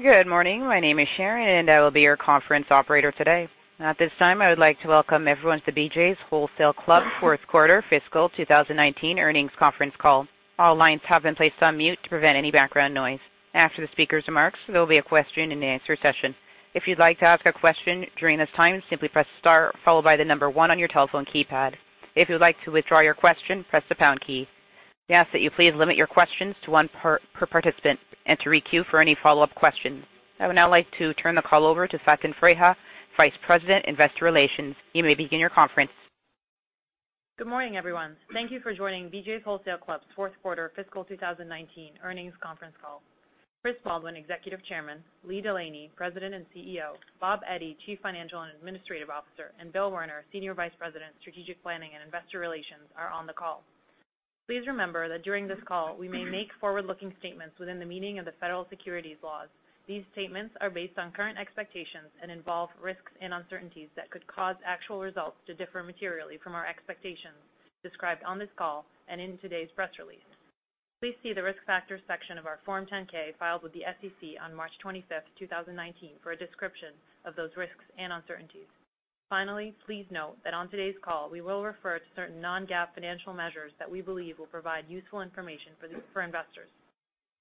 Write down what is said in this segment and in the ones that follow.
Good morning. My name is Sharon, and I will be your conference operator today. At this time, I would like to welcome everyone to BJ’s Wholesale Club Fourth Quarter Fiscal 2019 Earnings Conference Call. All lines have been placed on mute to prevent any background noise. After the speaker's remarks, there will be a question and answer session. If you'd like to ask a question during this time, simply press star followed by the number one on your telephone keypad. If you would like to withdraw your question, press the pound key. We ask that you please limit your questions to one per participant and to re-queue for any follow-up questions. I would now like to turn the call over to Faten Freiha, Vice President, Investor Relations. You may begin your conference. Good morning, everyone. Thank you for joining BJ's Wholesale Club's Fourth Quarter Fiscal 2019 Earnings Conference Call. Christopher Baldwin, Executive Chairman, Lee Delaney, President and CEO, Bob Eddy, Chief Financial and Administrative Officer, and Bill Werner, Senior Vice President, Strategic Planning and Investor Relations are on the call. Please remember that during this call, we may make forward-looking statements within the meaning of the federal securities laws. These statements are based on current expectations and involve risks and uncertainties that could cause actual results to differ materially from our expectations described on this call and in today's press release. Please see the Risk Factors section of our Form 10-K filed with the SEC on March 25th, 2019, for a description of those risks and uncertainties. Finally, please note that on today's call, we will refer to certain non-GAAP financial measures that we believe will provide useful information for investors.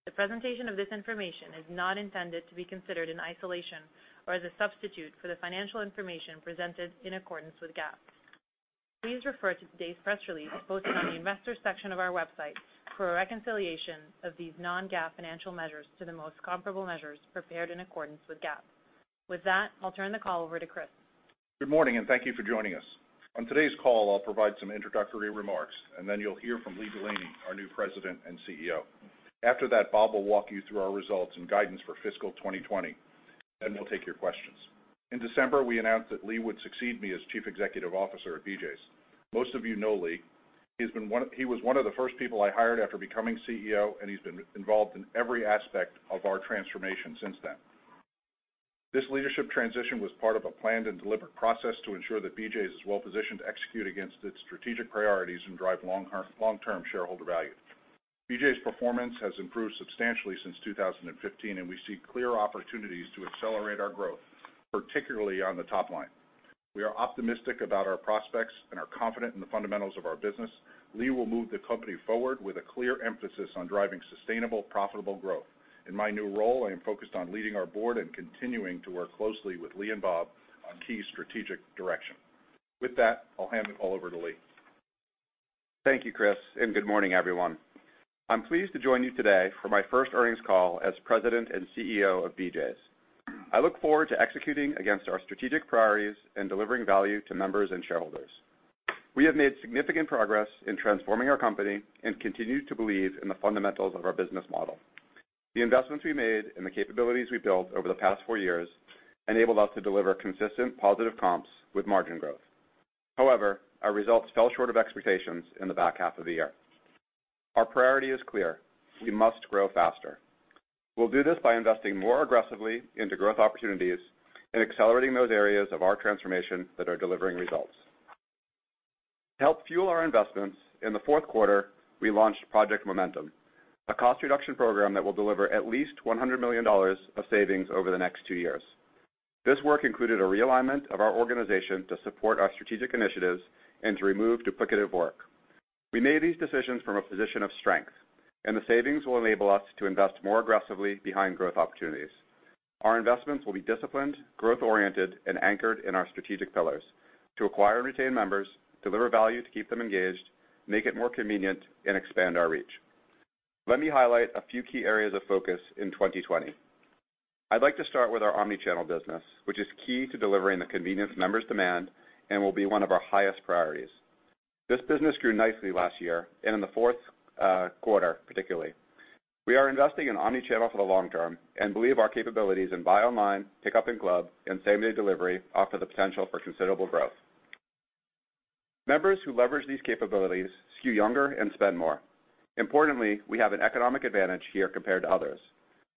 The presentation of this information is not intended to be considered in isolation or as a substitute for the financial information presented in accordance with GAAP. Please refer to today's press release posted on the Investor section of our website for a reconciliation of these non-GAAP financial measures to the most comparable measures prepared in accordance with GAAP. With that, I'll turn the call over to Chris. Good morning, and thank you for joining us. On today's call, I'll provide some introductory remarks, and then you'll hear from Lee Delaney, our new President and CEO. After that, Bob will walk you through our results and guidance for fiscal 2020. We'll take your questions. In December, we announced that Lee would succeed me as Chief Executive Officer at BJ's. Most of you know Lee. He was one of the first people I hired after becoming CEO, and he's been involved in every aspect of our transformation since then. This leadership transition was part of a planned and deliberate process to ensure that BJ's is well-positioned to execute against its strategic priorities and drive long-term shareholder value. BJ's performance has improved substantially since 2015, and we see clear opportunities to accelerate our growth, particularly on the top line. We are optimistic about our prospects and are confident in the fundamentals of our business. Lee will move the company forward with a clear emphasis on driving sustainable, profitable growth. In my new role, I am focused on leading our board and continuing to work closely with Lee and Bob on key strategic direction. With that, I'll hand it all over to Lee. Thank you, Chris, and good morning, everyone. I'm pleased to join you today for my first earnings call as President and CEO of BJ's. I look forward to executing against our strategic priorities and delivering value to members and shareholders. We have made significant progress in transforming our company and continue to believe in the fundamentals of our business model. The investments we made and the capabilities we built over the past four years enabled us to deliver consistent positive comps with margin growth. However, our results fell short of expectations in the back half of the year. Our priority is clear. We must grow faster. We'll do this by investing more aggressively into growth opportunities and accelerating those areas of our transformation that are delivering results. To help fuel our investments, in the fourth quarter, we launched Project Momentum, a cost reduction program that will deliver at least $100 million of savings over the next two years. This work included a realignment of our organization to support our strategic initiatives and to remove duplicative work. We made these decisions from a position of strength, and the savings will enable us to invest more aggressively behind growth opportunities. Our investments will be disciplined, growth-oriented, and anchored in our strategic pillars to acquire and retain members, deliver value to keep them engaged, make it more convenient, and expand our reach. Let me highlight a few key areas of focus in 2020. I'd like to start with our omni-channel business, which is key to delivering the convenience members demand and will be one of our highest priorities. This business grew nicely last year and in the fourth quarter, particularly. We are investing in omni-channel for the long term and believe our capabilities in buy online, pick up in-club, and same-day delivery offer the potential for considerable growth. Members who leverage these capabilities skew younger and spend more. Importantly, we have an economic advantage here compared to others.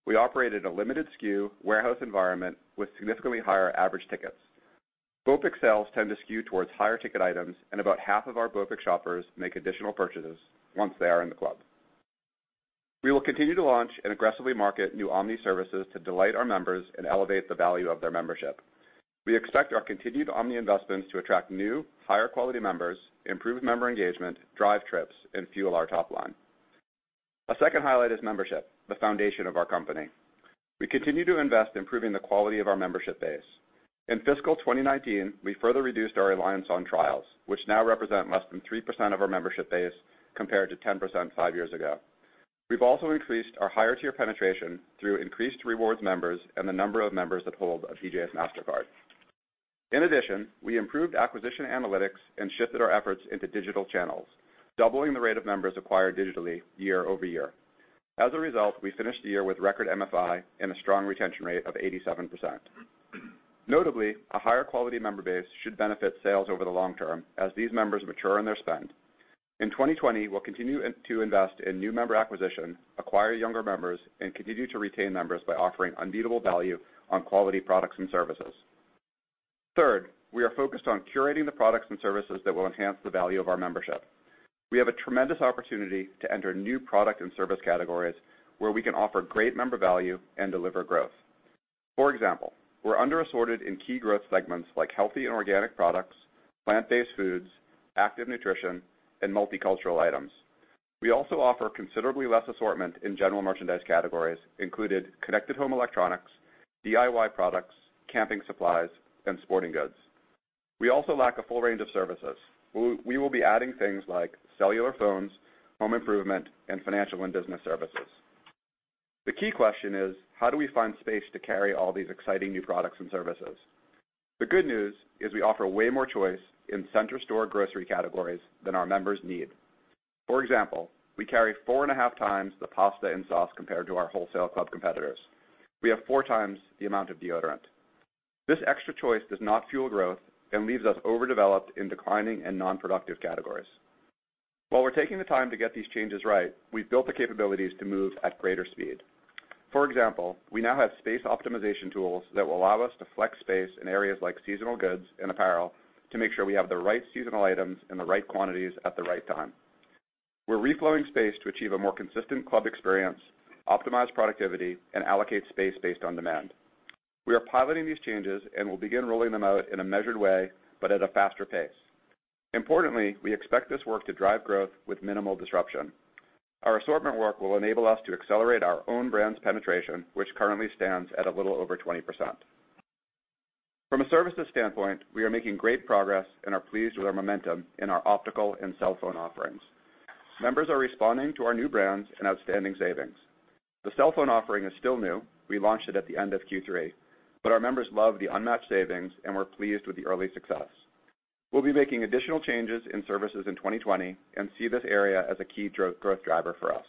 We operate at a limited SKU warehouse environment with significantly higher average tickets. BOPIC sales tend to skew towards higher ticket items, and about half of our BOPIC shoppers make additional purchases once they are in the club. We will continue to launch and aggressively market new omni services to delight our members and elevate the value of their membership. We expect our continued omni investments to attract new, higher quality members, improve member engagement, drive trips, and fuel our top line. A second highlight is membership, the foundation of our company. We continue to invest in improving the quality of our membership base. In fiscal 2019, we further reduced our reliance on trials, which now represent less than 3% of our membership base compared to 10% five years ago. We've also increased our higher tier penetration through increased rewards members and the number of members that hold a BJ's Mastercard. In addition, we improved acquisition analytics and shifted our efforts into digital channels, doubling the rate of members acquired digitally year-over-year. As a result, we finished the year with record MFI and a strong retention rate of 87%. Notably, a higher quality member base should benefit sales over the long term as these members mature in their spend. In 2020, we'll continue to invest in new member acquisition, acquire younger members, and continue to retain members by offering unbeatable value on quality products and services. Third, we are focused on curating the products and services that will enhance the value of our membership. We have a tremendous opportunity to enter new product and service categories where we can offer great member value and deliver growth. For example, we're under-assorted in key growth segments like healthy and organic products, plant-based foods, active nutrition, and multicultural items. We also offer considerably less assortment in general merchandise categories, including connected home electronics, DIY products, camping supplies, and sporting goods. We also lack a full range of services. We will be adding things like cellular phones, home improvement, and financial and business services. The key question is, how do we find space to carry all these exciting new products and services? The good news is we offer way more choice in center store grocery categories than our members need. For example, we carry four and a half times the pasta and sauce compared to our wholesale club competitors. We have four times the amount of deodorant. This extra choice does not fuel growth and leaves us overdeveloped in declining and non-productive categories. While we're taking the time to get these changes right, we've built the capabilities to move at greater speed. For example, we now have space optimization tools that will allow us to flex space in areas like seasonal goods and apparel to make sure we have the right seasonal items in the right quantities at the right time. We're reflowing space to achieve a more consistent club experience, optimize productivity, and allocate space based on demand. We are piloting these changes and will begin rolling them out in a measured way but at a faster pace. Importantly, we expect this work to drive growth with minimal disruption. Our assortment work will enable us to accelerate our own brand's penetration, which currently stands at a little over 20%. From a services standpoint, we are making great progress and are pleased with our momentum in our optical and cell phone offerings. Members are responding to our new brands and outstanding savings. The cell phone offering is still new. We launched it at the end of Q3, but our members love the unmatched savings, and we're pleased with the early success. We'll be making additional changes in services in 2020 and see this area as a key growth driver for us.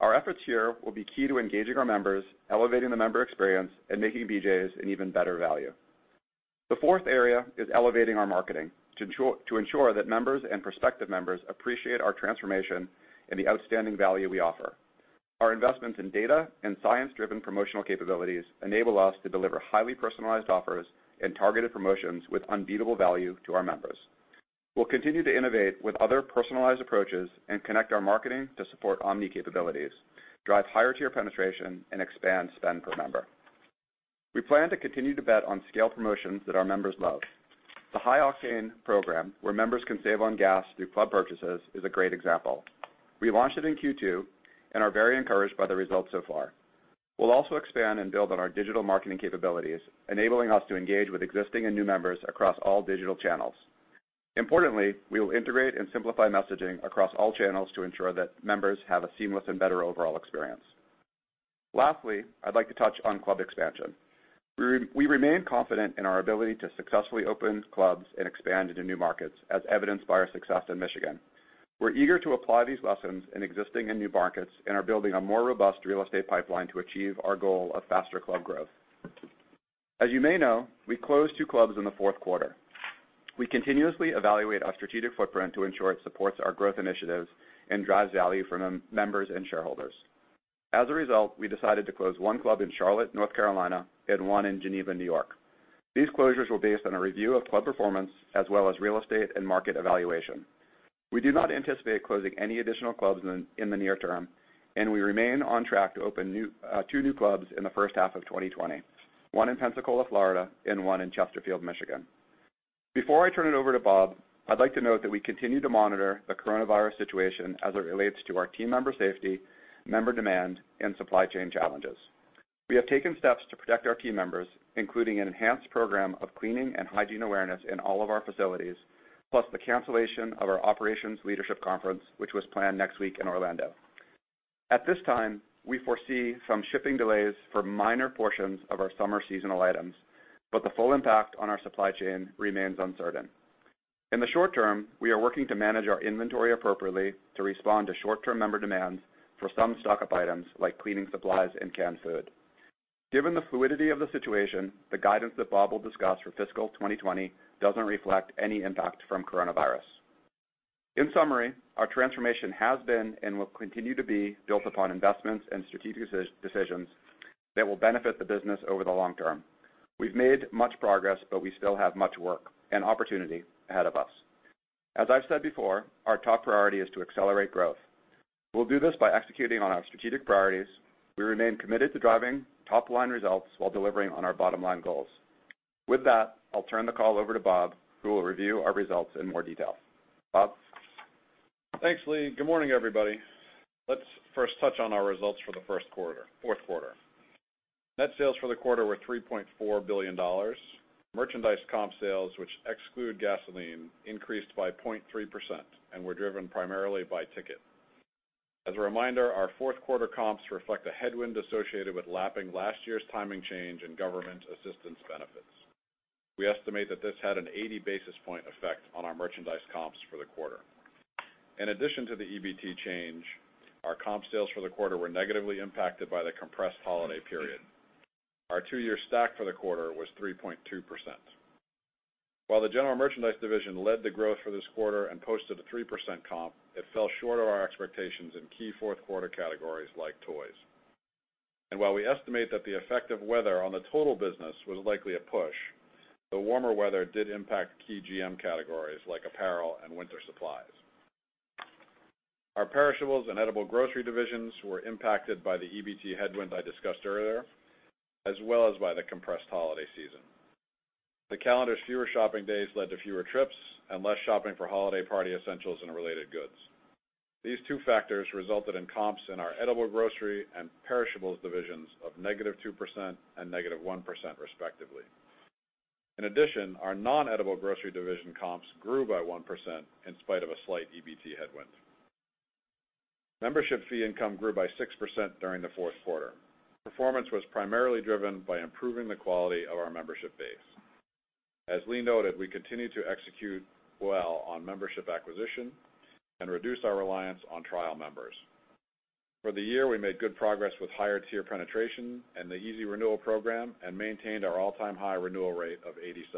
Our efforts here will be key to engaging our members, elevating the member experience, and making BJ's an even better value. The fourth area is elevating our marketing to ensure that members and prospective members appreciate our transformation and the outstanding value we offer. Our investments in data and science-driven promotional capabilities enable us to deliver highly personalized offers and targeted promotions with unbeatable value to our members. We'll continue to innovate with other personalized approaches and connect our marketing to support omni capabilities, drive higher-tier penetration, and expand spend per member. We plan to continue to bet on scale promotions that our members love. The High Octane program, where members can save on gas through club purchases, is a great example. We launched it in Q2 and are very encouraged by the results so far. We'll also expand and build on our digital marketing capabilities, enabling us to engage with existing and new members across all digital channels. Importantly, we will integrate and simplify messaging across all channels to ensure that members have a seamless and better overall experience. Lastly, I'd like to touch on club expansion. We remain confident in our ability to successfully open clubs and expand into new markets, as evidenced by our success in Michigan. We're eager to apply these lessons in existing and new markets and are building a more robust real estate pipeline to achieve our goal of faster club growth. As you may know, we closed two clubs in the fourth quarter. We continuously evaluate our strategic footprint to ensure it supports our growth initiatives and drives value for members and shareholders. As a result, we decided to close one club in Charlotte, North Carolina, and one in Geneva, New York. These closures were based on a review of club performance as well as real estate and market evaluation. We do not anticipate closing any additional clubs in the near term, and we remain on track to open two new clubs in the first half of 2020, one in Pensacola, Florida, and one in Chesterfield, Michigan. Before I turn it over to Bob, I'd like to note that we continue to monitor the coronavirus situation as it relates to our team member safety, member demand, and supply chain challenges. We have taken steps to protect our team members, including an enhanced program of cleaning and hygiene awareness in all of our facilities, plus the cancellation of our operations leadership conference, which was planned next week in Orlando. At this time, we foresee some shipping delays for minor portions of our summer seasonal items, but the full impact on our supply chain remains uncertain. In the short term, we are working to manage our inventory appropriately to respond to short-term member demands for some stock-up items like cleaning supplies and canned food. Given the fluidity of the situation, the guidance that Bob will discuss for fiscal 2020 doesn't reflect any impact from coronavirus. In summary, our transformation has been and will continue to be built upon investments and strategic decisions that will benefit the business over the long term. We've made much progress, but we still have much work and opportunity ahead of us. As I've said before, our top priority is to accelerate growth. We'll do this by executing on our strategic priorities. We remain committed to driving top-line results while delivering on our bottom-line goals. With that, I'll turn the call over to Bob, who will review our results in more detail. Bob? Thanks, Lee. Good morning, everybody. Let's first touch on our results for the fourth quarter. Net sales for the quarter were $3.4 billion. Merchandise comp sales, which exclude gasoline, increased by 0.3% and were driven primarily by ticket. As a reminder, our fourth quarter comps reflect a headwind associated with lapping last year's timing change in government assistance benefits. We estimate that this had an 80 basis point effect on our merchandise comps for the quarter. In addition to the EBT change, our comp sales for the quarter were negatively impacted by the compressed holiday period. Our two-year stack for the quarter was 3.2%. While the general merchandise division led the growth for this quarter and posted a 3% comp, it fell short of our expectations in key fourth quarter categories like toys. While we estimate that the effect of weather on the total business was likely a push, the warmer weather did impact key GM categories like apparel and winter supplies. Our perishables and edible grocery divisions were impacted by the EBT headwind I discussed earlier, as well as by the compressed holiday season. The calendar's fewer shopping days led to fewer trips and less shopping for holiday party essentials and related goods. These two factors resulted in comps in our edible grocery and perishables divisions of -2% and -1%, respectively. In addition, our non-edible grocery division comps grew by 1% in spite of a slight EBT headwind. Membership fee income grew by 6% during the fourth quarter. Performance was primarily driven by improving the quality of our membership base. As Lee noted, we continue to execute well on membership acquisition and reduce our reliance on trial members. For the year, we made good progress with higher tier penetration and the BJ's Easy Renewal program and maintained our all-time high renewal rate of 87%.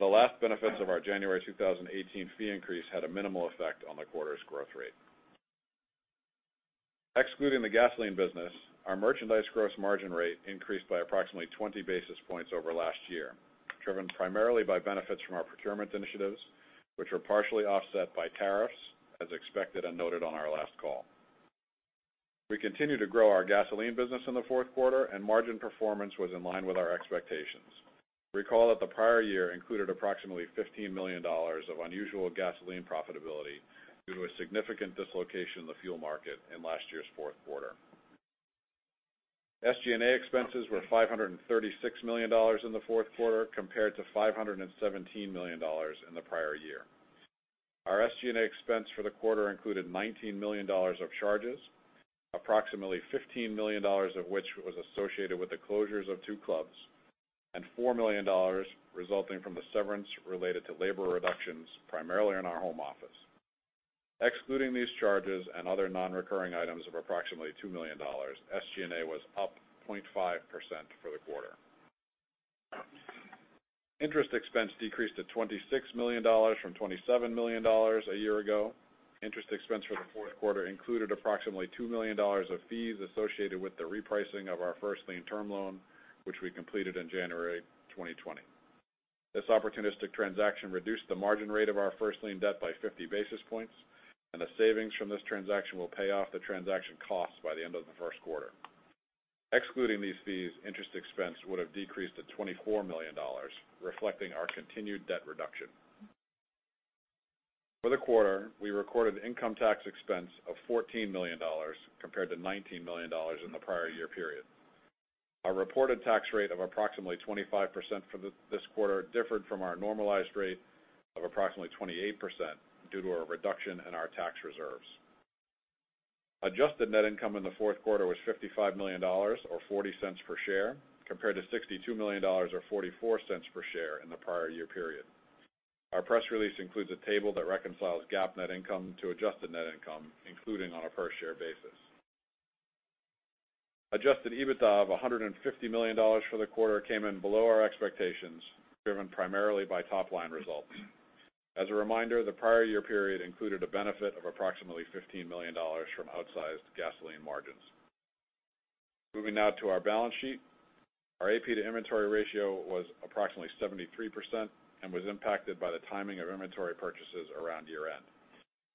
The last benefits of our January 2018 fee increase had a minimal effect on the quarter's growth rate. Excluding the gasoline business, our merchandise gross margin rate increased by approximately 20 basis points over last year, driven primarily by benefits from our procurement initiatives, which were partially offset by tariffs, as expected and noted on our last call. We continued to grow our gasoline business in the fourth quarter, and margin performance was in line with our expectations. Recall that the prior year included approximately $15 million of unusual gasoline profitability due to a significant dislocation in the fuel market in last year's fourth quarter. SG&A expenses were $536 million in the fourth quarter, compared to $517 million in the prior year. Our SG&A expense for the quarter included $19 million of charges, approximately $15 million of which was associated with the closures of two clubs, and $4 million resulting from the severance related to labor reductions, primarily in our home office. Excluding these charges and other non-recurring items of approximately $2 million, SG&A was up 0.5% for the quarter. Interest expense decreased to $26 million from $27 million a year ago. Interest expense for the fourth quarter included approximately $2 million of fees associated with the repricing of our first-lien term loan, which we completed in January 2020. This opportunistic transaction reduced the margin rate of our first-lien debt by 50 basis points, and the savings from this transaction will pay off the transaction costs by the end of the first quarter. Excluding these fees, interest expense would have decreased to $24 million, reflecting our continued debt reduction. For the quarter, we recorded income tax expense of $14 million, compared to $19 million in the prior year period. Our reported tax rate of approximately 25% for this quarter differed from our normalized rate of approximately 28% due to a reduction in our tax reserves. Adjusted net income in the fourth quarter was $55 million, or $0.40 per share, compared to $62 million or $0.44 per share in the prior year period. Our press release includes a table that reconciles GAAP net income to adjusted net income, including on a per-share basis. Adjusted EBITDA of $150 million for the quarter came in below our expectations, driven primarily by top-line results. As a reminder, the prior year period included a benefit of approximately $15 million from outsized gasoline margins. Moving now to our balance sheet. Our AP to inventory ratio was approximately 73% and was impacted by the timing of inventory purchases around year-end.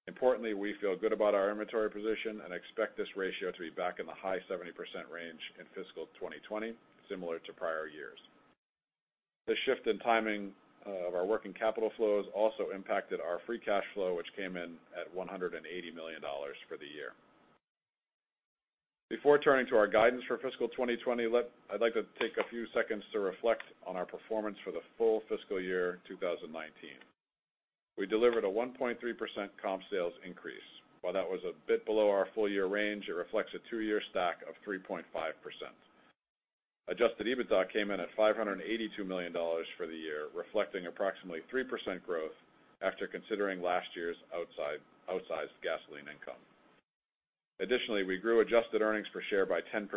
Importantly, we feel good about our inventory position and expect this ratio to be back in the high 70% range in fiscal 2020, similar to prior years. The shift in timing of our working capital flows also impacted our free cash flow, which came in at $180 million for the year. Before turning to our guidance for fiscal 2020, I'd like to take a few seconds to reflect on our performance for the full fiscal year 2019. We delivered a 1.3% comp sales increase. While that was a bit below our full-year range, it reflects a two-year stack of 3.5%. Adjusted EBITDA came in at $582 million for the year, reflecting approximately 3% growth after considering last year's outsized gasoline income. Additionally, we grew adjusted earnings per share by 10%,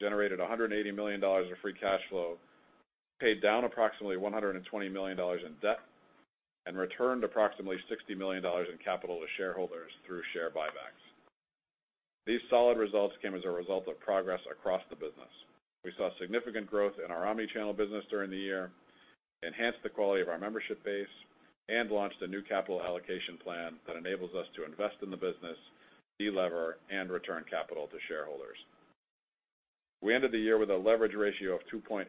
generated $180 million of free cash flow, paid down approximately $120 million in debt, and returned approximately $60 million in capital to shareholders through share buybacks. These solid results came as a result of progress across the business. We saw significant growth in our omni-channel business during the year, enhanced the quality of our membership base, and launched a new capital allocation plan that enables us to invest in the business, delever, and return capital to shareholders. We ended the year with a leverage ratio of 2.8x.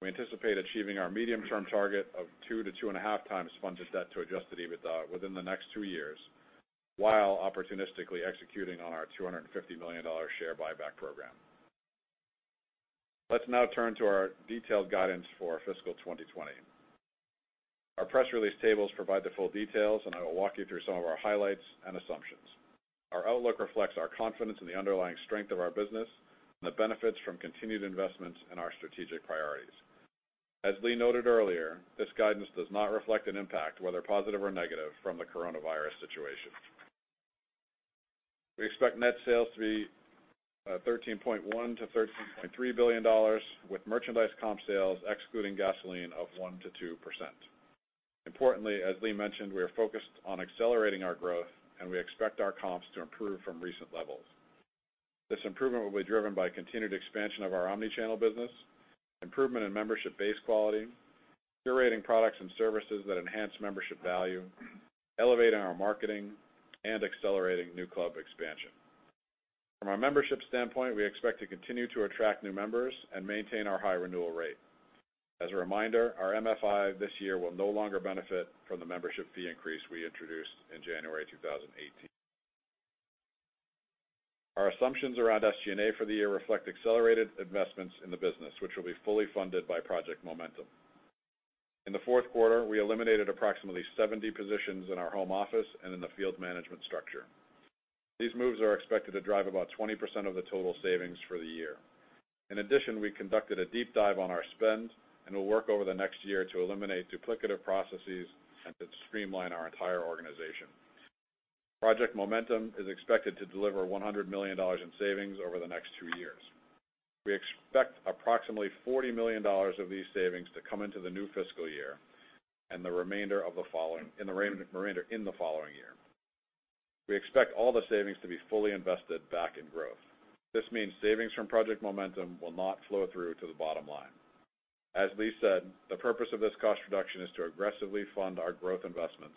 We anticipate achieving our medium-term target of 2x to 2.5x funded debt to adjusted EBITDA within the next two years while opportunistically executing on our $250 million share buyback program. Let's now turn to our detailed guidance for fiscal 2020. Our press release tables provide the full details, and I will walk you through some of our highlights and assumptions. Our outlook reflects our confidence in the underlying strength of our business and the benefits from continued investments in our strategic priorities. As Lee noted earlier, this guidance does not reflect an impact, whether positive or negative, from the coronavirus situation. We expect net sales to be $13.1 billion-$13.3 billion with merchandise comp sales excluding gasoline of 1%-2%. Importantly, as Lee mentioned, we are focused on accelerating our growth, and we expect our comps to improve from recent levels. This improvement will be driven by continued expansion of our omni-channel business, improvement in membership base quality, curating products and services that enhance membership value, elevating our marketing, and accelerating new club expansion. From a membership standpoint, we expect to continue to attract new members and maintain our high renewal rate. As a reminder, our MFI this year will no longer benefit from the membership fee increase we introduced in January 2018. Our assumptions around SG&A for the year reflect accelerated investments in the business, which will be fully funded by Project Momentum. In the fourth quarter, we eliminated approximately 70 positions in our home office and in the field management structure. These moves are expected to drive about 20% of the total savings for the year. In addition, we conducted a deep dive on our spend and will work over the next year to eliminate duplicative processes and to streamline our entire organization. Project Momentum is expected to deliver $100 million in savings over the next two years. We expect approximately $40 million of these savings to come into the new fiscal year and the remainder in the following year. We expect all the savings to be fully invested back in growth. This means savings from Project Momentum will not flow through to the bottom line. As Lee said, the purpose of this cost reduction is to aggressively fund our growth investments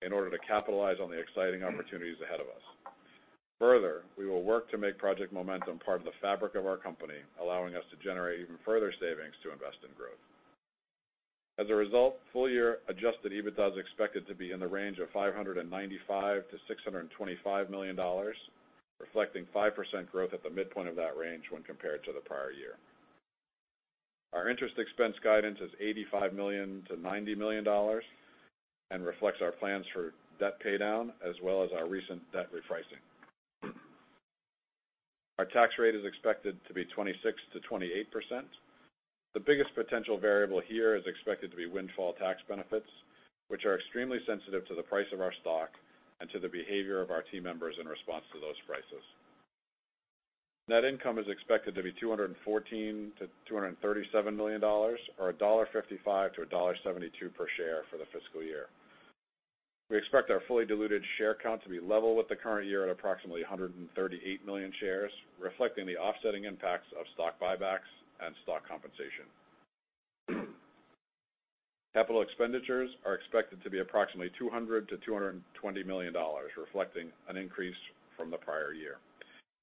in order to capitalize on the exciting opportunities ahead of us. Further, we will work to make Project Momentum part of the fabric of our company, allowing us to generate even further savings to invest in growth. As a result, full-year adjusted EBITDA is expected to be in the range of $595 million-$625 million, reflecting 5% growth at the midpoint of that range when compared to the prior year. Our interest expense guidance is $85 million-$90 million and reflects our plans for debt paydown, as well as our recent debt repricing. Our tax rate is expected to be 26%-28%. The biggest potential variable here is expected to be windfall tax benefits, which are extremely sensitive to the price of our stock and to the behavior of our team members in response to those prices. Net income is expected to be $214 million-$237 million, or $1.55-$1.72 per share for the fiscal year. We expect our fully diluted share count to be level with the current year at approximately 138 million shares, reflecting the offsetting impacts of stock buybacks and stock compensation. Capital expenditures are expected to be approximately $200 million-$220 million, reflecting an increase from the prior year.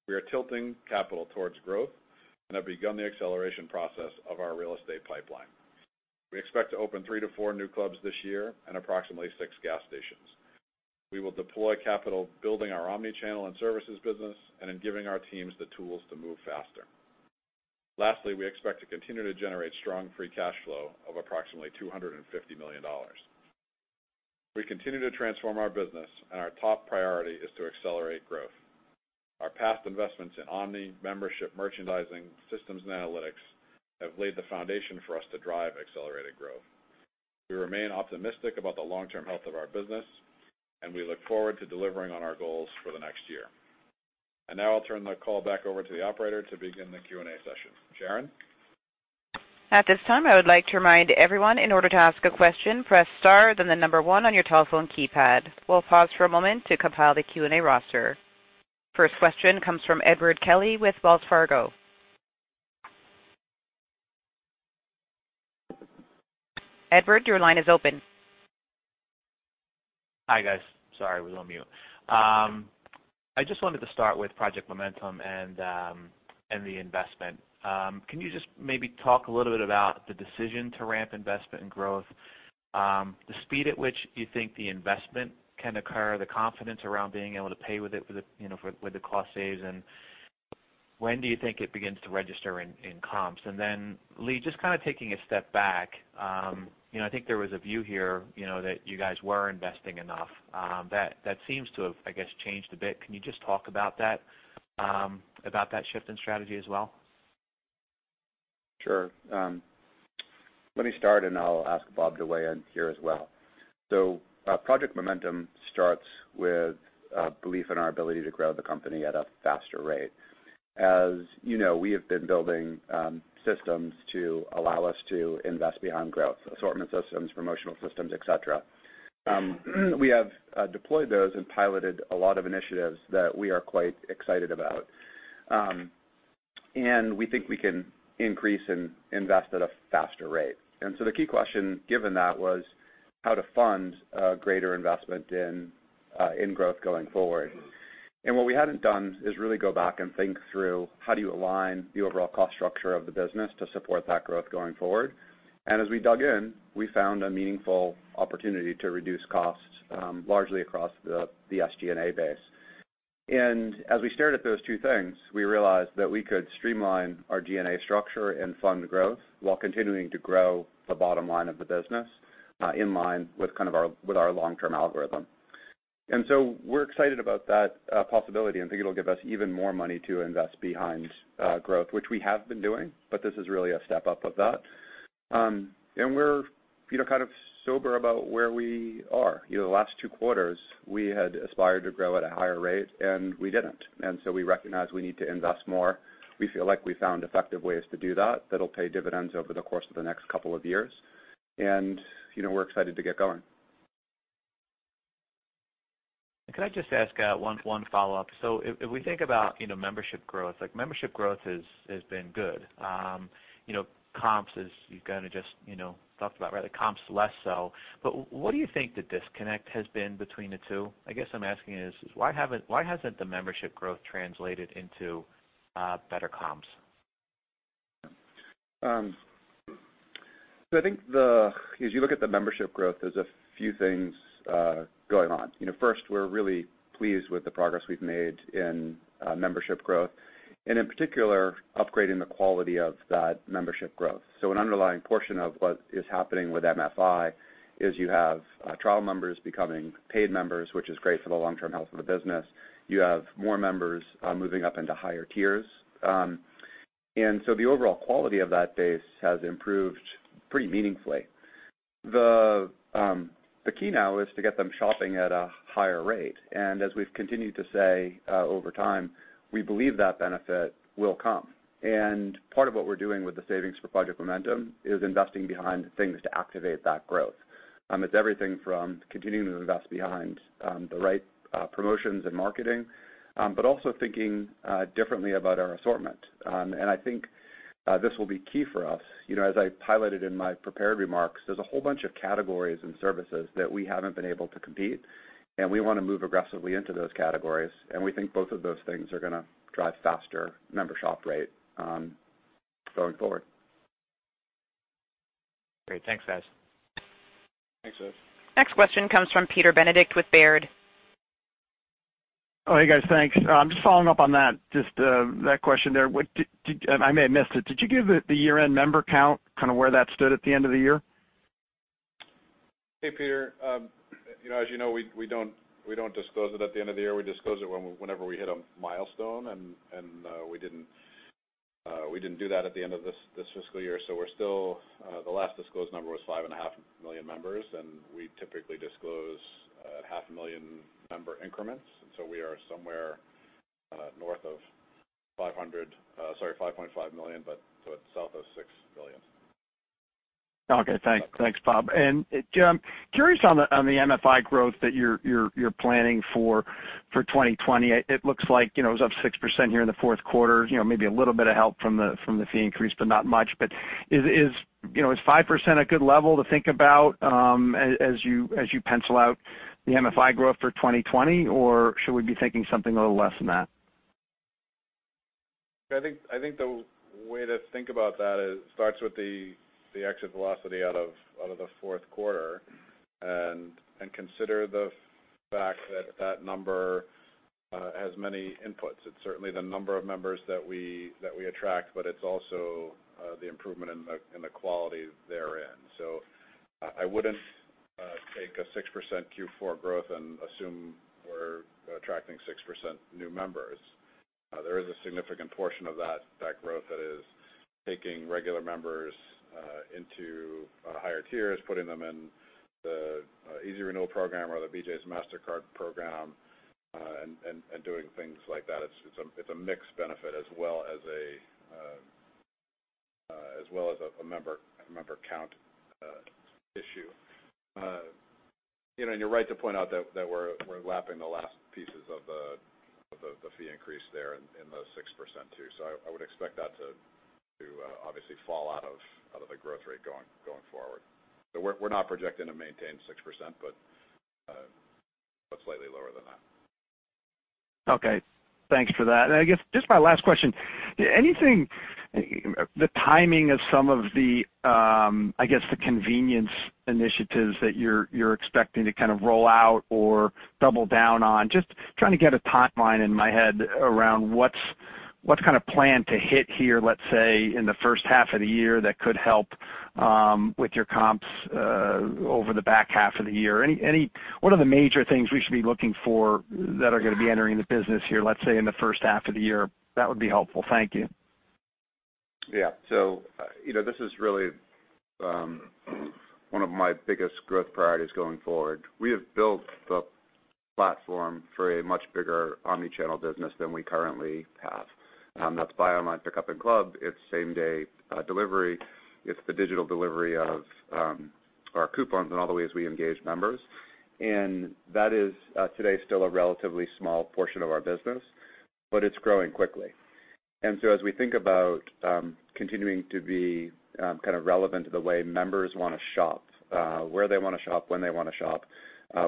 We are tilting capital towards growth and have begun the acceleration process of our real estate pipeline. We expect to open three to four new clubs this year and approximately six gas stations. We will deploy capital building our omni-channel and services business and in giving our teams the tools to move faster. Lastly, we expect to continue to generate strong free cash flow of approximately $250 million. We continue to transform our business, our top priority is to accelerate growth. Our past investments in omni, membership, merchandising, systems, and analytics have laid the foundation for us to drive accelerated growth. We remain optimistic about the long-term health of our business, we look forward to delivering on our goals for the next year. Now I'll turn the call back over to the operator to begin the Q&A session. Sharon? At this time, I would like to remind everyone, in order to ask a question, press star, then the number one on your telephone keypad. We'll pause for a moment to compile the Q&A roster. First question comes from Edward Kelly with Wells Fargo. Edward, your line is open. Hi, guys. Sorry, I was on mute. I just wanted to start with Project Momentum and the investment. Can you just maybe talk a little bit about the decision to ramp investment and growth, the speed at which you think the investment can occur, the confidence around being able to pay with the cost saves, and when do you think it begins to register in comps? Lee, just kind of taking a step back, I think there was a view here, that you guys were investing enough. That seems to have, I guess, changed a bit. Can you just talk about that shift in strategy as well? Sure. Let me start, and I'll ask Bob to weigh in here as well. Project Momentum starts with a belief in our ability to grow the company at a faster rate. As you know, we have been building systems to allow us to invest beyond growth, assortment systems, promotional systems, et cetera. We have deployed those and piloted a lot of initiatives that we are quite excited about. We think we can increase and invest at a faster rate. The key question given that was how to fund a greater investment in growth going forward. What we hadn't done is really go back and think through how do you align the overall cost structure of the business to support that growth going forward. As we dug in, we found a meaningful opportunity to reduce costs, largely across the SG&A base. As we stared at those two things, we realized that we could streamline our G&A structure and fund growth while continuing to grow the bottom line of the business in line with our long-term algorithm. We're excited about that possibility and think it'll give us even more money to invest behind growth, which we have been doing, but this is really a step-up of that. We're kind of sober about where we are. The last two quarters, we had aspired to grow at a higher rate, and we didn't. We recognize we need to invest more. We feel like we found effective ways to do that that'll pay dividends over the course of the next couple of years. We're excited to get going. Can I just ask one follow-up? If we think about membership growth, like membership growth has been good. Comps is, you kind of just talked about already, comps less so, but what do you think the disconnect has been between the two? I guess I'm asking is, why hasn't the membership growth translated into better comps? I think as you look at the membership growth, there's a few things going on. First, we're really pleased with the progress we've made in membership growth and in particular, upgrading the quality of that membership growth. An underlying portion of what is happening with MFI is you have trial members becoming paid members, which is great for the long-term health of the business. You have more members moving up into higher tiers. The overall quality of that base has improved pretty meaningfully. The key now is to get them shopping at a higher rate, and as we've continued to say over time, we believe that benefit will come. Part of what we're doing with the savings for Project Momentum is investing behind things to activate that growth. It's everything from continuing to invest behind the right promotions and marketing, but also thinking differently about our assortment. I think this will be key for us. As I highlighted in my prepared remarks, there's a whole bunch of categories and services that we haven't been able to compete, and we want to move aggressively into those categories, and we think both of those things are going to drive faster member shop rate going forward. Great. Thanks, guys. Thanks, Ed. Next question comes from Peter Benedict with Baird. Oh, hey, guys. Thanks. Just following up on that, just that question there. I may have missed it. Did you give the year-end member count, kind of where that stood at the end of the year? Hey, Peter. As you know, we don't disclose it at the end of the year. We disclose it whenever we hit a milestone, and we didn't do that at the end of this fiscal year. The last disclosed number was 5.5 million members, and we typically disclose at 0.5 million member increments. We are somewhere north of 5.5 million, but so it's south of 6 million. Okay. Thanks, Bob. Just, curious on the MFI growth that you're planning for 2020. It looks like it was up 6% here in the fourth quarter. Maybe a little bit of help from the fee increase, but not much. Is 5% a good level to think about as you pencil out the MFI growth for 2020, or should we be thinking something a little less than that? I think the way to think about that is, it starts with the exit velocity out of the fourth quarter, and consider the fact that that number has many inputs. It's certainly the number of members that we attract, but it's also the improvement in the quality therein. I wouldn't take a 6% Q4 growth and assume we're attracting 6% new members. There is a significant portion of that growth that is taking regular members into higher tiers, putting them in the Easy Renewal program or the BJ's One Mastercard program, and doing things like that. It's a mixed benefit as well as a member count issue. You're right to point out that we're lapping the last pieces of the fee increase there in the 6% too. I would expect that to obviously fall out of the growth rate going forward. We're not projecting to maintain 6%, but slightly lower than that. Okay. Thanks for that. I guess just my last question, the timing of some of the, I guess, the convenience initiatives that you're expecting to kind of roll out or double down on, just trying to get a timeline in my head around what kind of plan to hit here, let's say, in the first half of the year that could help with your comps over the back half of the year. What are the major things we should be looking for that are going to be entering the business here, let's say, in the first half of the year? That would be helpful. Thank you. Yeah. This is really one of my biggest growth priorities going forward. We have built the platform for a much bigger omni-channel business than we currently have. That's Buy Online, Pick Up in Club. It's same-day delivery. It's the digital delivery of our coupons and all the ways we engage members. That is today still a relatively small portion of our business, but it's growing quickly. As we think about continuing to be kind of relevant to the way members want to shop, where they want to shop, when they want to shop,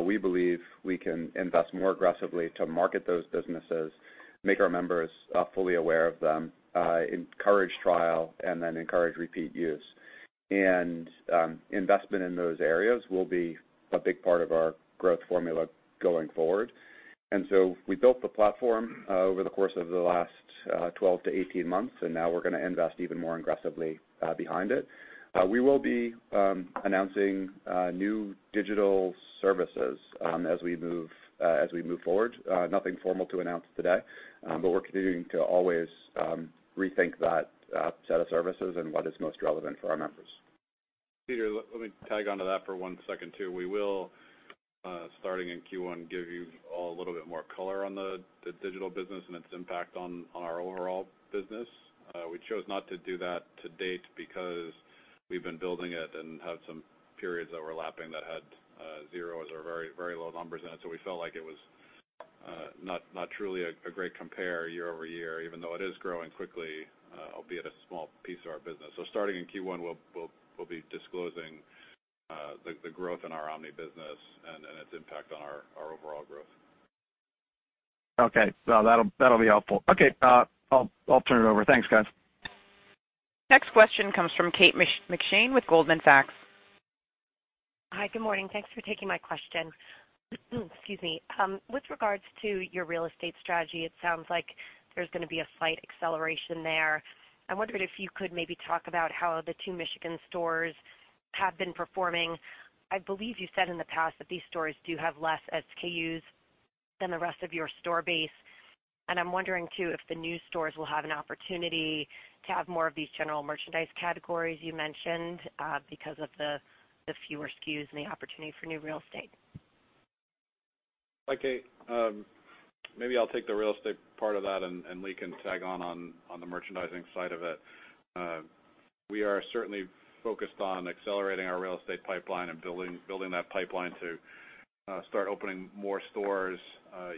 we believe we can invest more aggressively to market those businesses, make our members fully aware of them, encourage trial, and then encourage repeat use. Investment in those areas will be a big part of our growth formula going forward. We built the platform over the course of the last 12-18 months, and now we're going to invest even more aggressively behind it. We will be announcing new digital services as we move forward. Nothing formal to announce today, but we're continuing to always rethink that set of services and what is most relevant for our members. Peter, let me tag onto that for one second, too. We will, starting in Q1, give you all a little bit more color on the digital business and its impact on our overall business. We chose not to do that to date because we've been building it and have some periods overlapping that had zeros or very low numbers in it. We felt like it was not truly a great compare year-over-year, even though it is growing quickly, albeit a small piece of our business. Starting in Q1, we'll be disclosing the growth in our omni business and its impact on our overall growth. Okay. That'll be helpful. Okay, I'll turn it over. Thanks, guys. Next question comes from Kate McShane with Goldman Sachs. Hi, good morning. Thanks for taking my question. Excuse me. With regards to your real estate strategy, it sounds like there's going to be a slight acceleration there. I wondered if you could maybe talk about how the two Michigan stores have been performing. I believe you said in the past that these stores do have less SKUs than the rest of your store base, and I'm wondering, too, if the new stores will have an opportunity to have more of these general merchandise categories you mentioned because of the fewer SKUs and the opportunity for new real estate. Hi, Kate. Maybe I'll take the real estate part of that, and Lee can tag on the merchandising side of it. We are certainly focused on accelerating our real estate pipeline and building that pipeline to start opening more stores.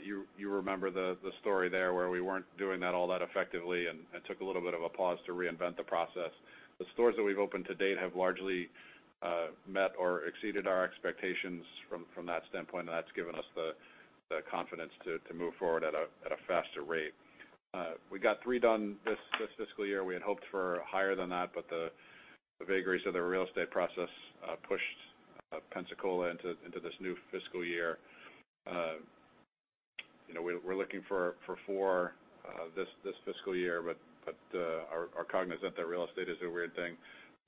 You remember the story there where we weren't doing that all that effectively and took a little bit of a pause to reinvent the process. The stores that we've opened to date have largely met or exceeded our expectations from that standpoint, and that's given us the confidence to move forward at a faster rate. We got three done this fiscal year. We had hoped for higher than that, the vagaries of the real estate process pushed Pensacola into this new fiscal year. We're looking for four this fiscal year, are cognizant that real estate is a weird thing,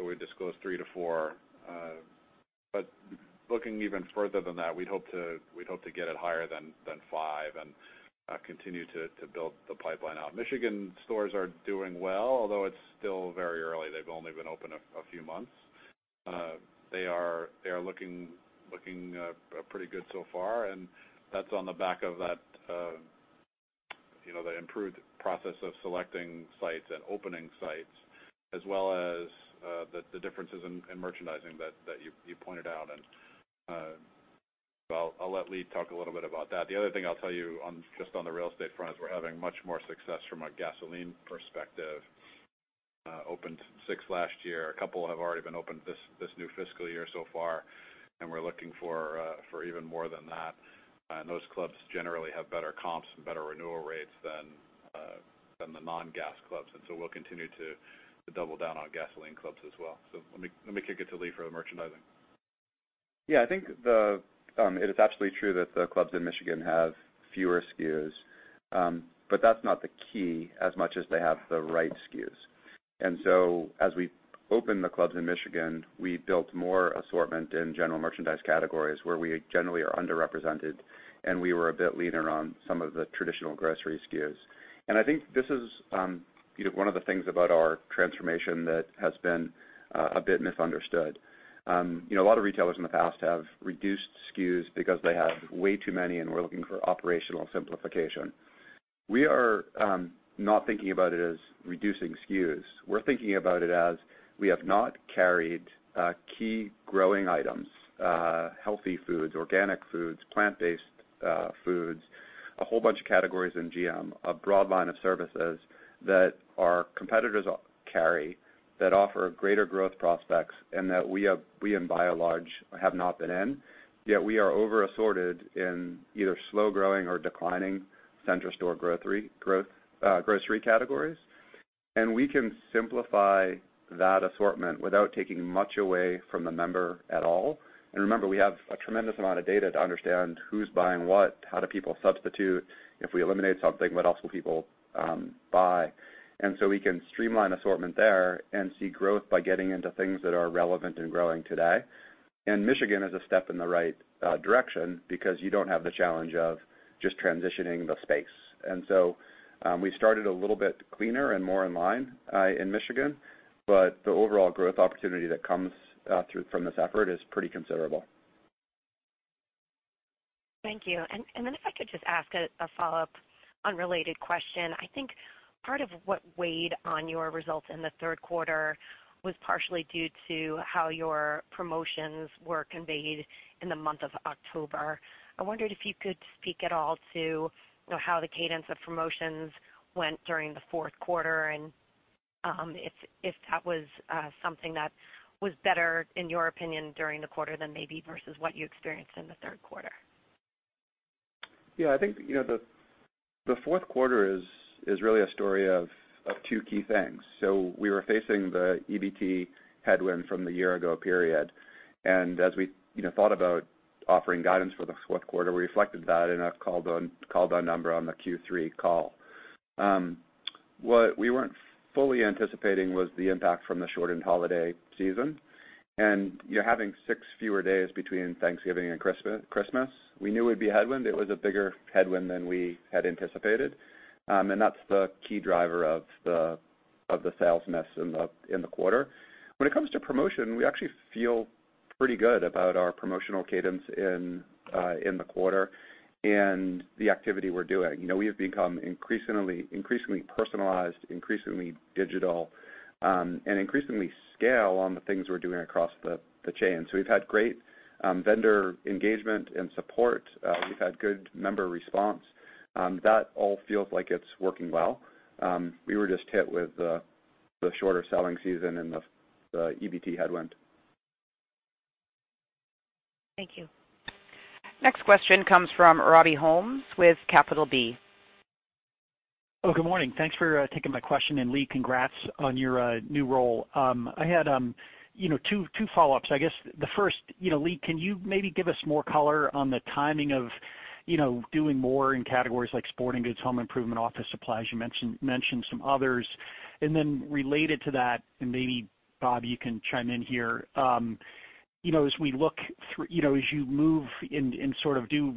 we disclose three to four. Looking even further than that, we'd hope to get it higher than five and continue to build the pipeline out. Michigan stores are doing well, although it's still very early. They've only been open a few months. They are looking pretty good so far, and that's on the back of the improved process of selecting sites and opening sites, as well as the differences in merchandising that you pointed out. I'll let Lee talk a little bit about that. The other thing I'll tell you just on the real estate front is we're having much more success from a gasoline perspective. Opened six last year. A couple have already been opened this new fiscal year so far, and we're looking for even more than that. Those clubs generally have better comps and better renewal rates than the non-gas clubs, and so we'll continue to double down on gasoline clubs as well. Let me kick it to Lee for the merchandising. Yeah, I think it is absolutely true that the clubs in Michigan have fewer SKUs. That's not the key as much as they have the right SKUs. As we opened the clubs in Michigan, we built more assortment in general merchandise categories where we generally are underrepresented, and we were a bit leaner on some of the traditional grocery SKUs. I think this is one of the things about our transformation that has been a bit misunderstood. A lot of retailers in the past have reduced SKUs because they have way too many and were looking for operational simplification. We are not thinking about it as reducing SKUs. We're thinking about it as we have not carried key growing items, healthy foods, organic foods, plant-based foods, a whole bunch of categories in GM, a broad line of services that our competitors carry that offer greater growth prospects and that we in by and large have not been in, yet we are over assorted in either slow growing or declining center store grocery categories. We can simplify that assortment without taking much away from the member at all. Remember, we have a tremendous amount of data to understand who's buying what, how do people substitute. If we eliminate something, what else will people buy? We can streamline assortment there and see growth by getting into things that are relevant and growing today. Michigan is a step in the right direction because you don't have the challenge of just transitioning the space. We started a little bit cleaner and more in line in Michigan, but the overall growth opportunity that comes from this effort is pretty considerable. Thank you. If I could just ask a follow-up unrelated question. I think part of what weighed on your results in the third quarter was partially due to how your promotions were conveyed in the month of October. I wondered if you could speak at all to how the cadence of promotions went during the fourth quarter and if that was something that was better, in your opinion, during the quarter than maybe versus what you experienced in the third quarter. Yeah, I think the fourth quarter is really a story of two key things. We were facing the EBT headwind from the year ago period. As we thought about offering guidance for the fourth quarter, we reflected that in a called-on number on the Q3 call. What we weren't fully anticipating was the impact from the shortened holiday season, and you're having six fewer days between Thanksgiving and Christmas. We knew it would be a headwind. It was a bigger headwind than we had anticipated. That's the key driver of the sales mess in the quarter. When it comes to promotion, we actually feel pretty good about our promotional cadence in the quarter and the activity we're doing. We have become increasingly personalized, increasingly digital, and increasingly scale on the things we're doing across the chain. We've had great vendor engagement and support. We've had good member response. That all feels like it's working well. We were just hit with the shorter selling season and the EBT headwind. Thank you. Next question comes from Robby Ohmes with Bank of America. Oh, good morning. Thanks for taking my question. Lee, congrats on your new role. I had two follow-ups. I guess the first, Lee, can you maybe give us more color on the timing of doing more in categories like sporting goods, home improvement, office supplies? You mentioned some others. Related to that, and maybe, Bob, you can chime in here. As you move and sort of do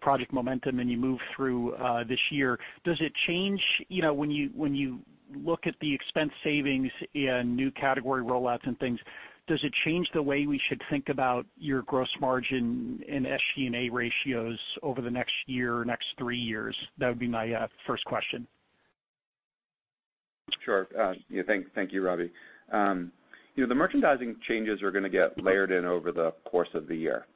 Project Momentum, and you move through this year, when you look at the expense savings in new category rollouts and things, does it change the way we should think about your gross margin and SG&A ratios over the next year or next three years? That would be my first question. Sure. Thank you, Robby. The merchandising changes are going to get layered in over the course of the year.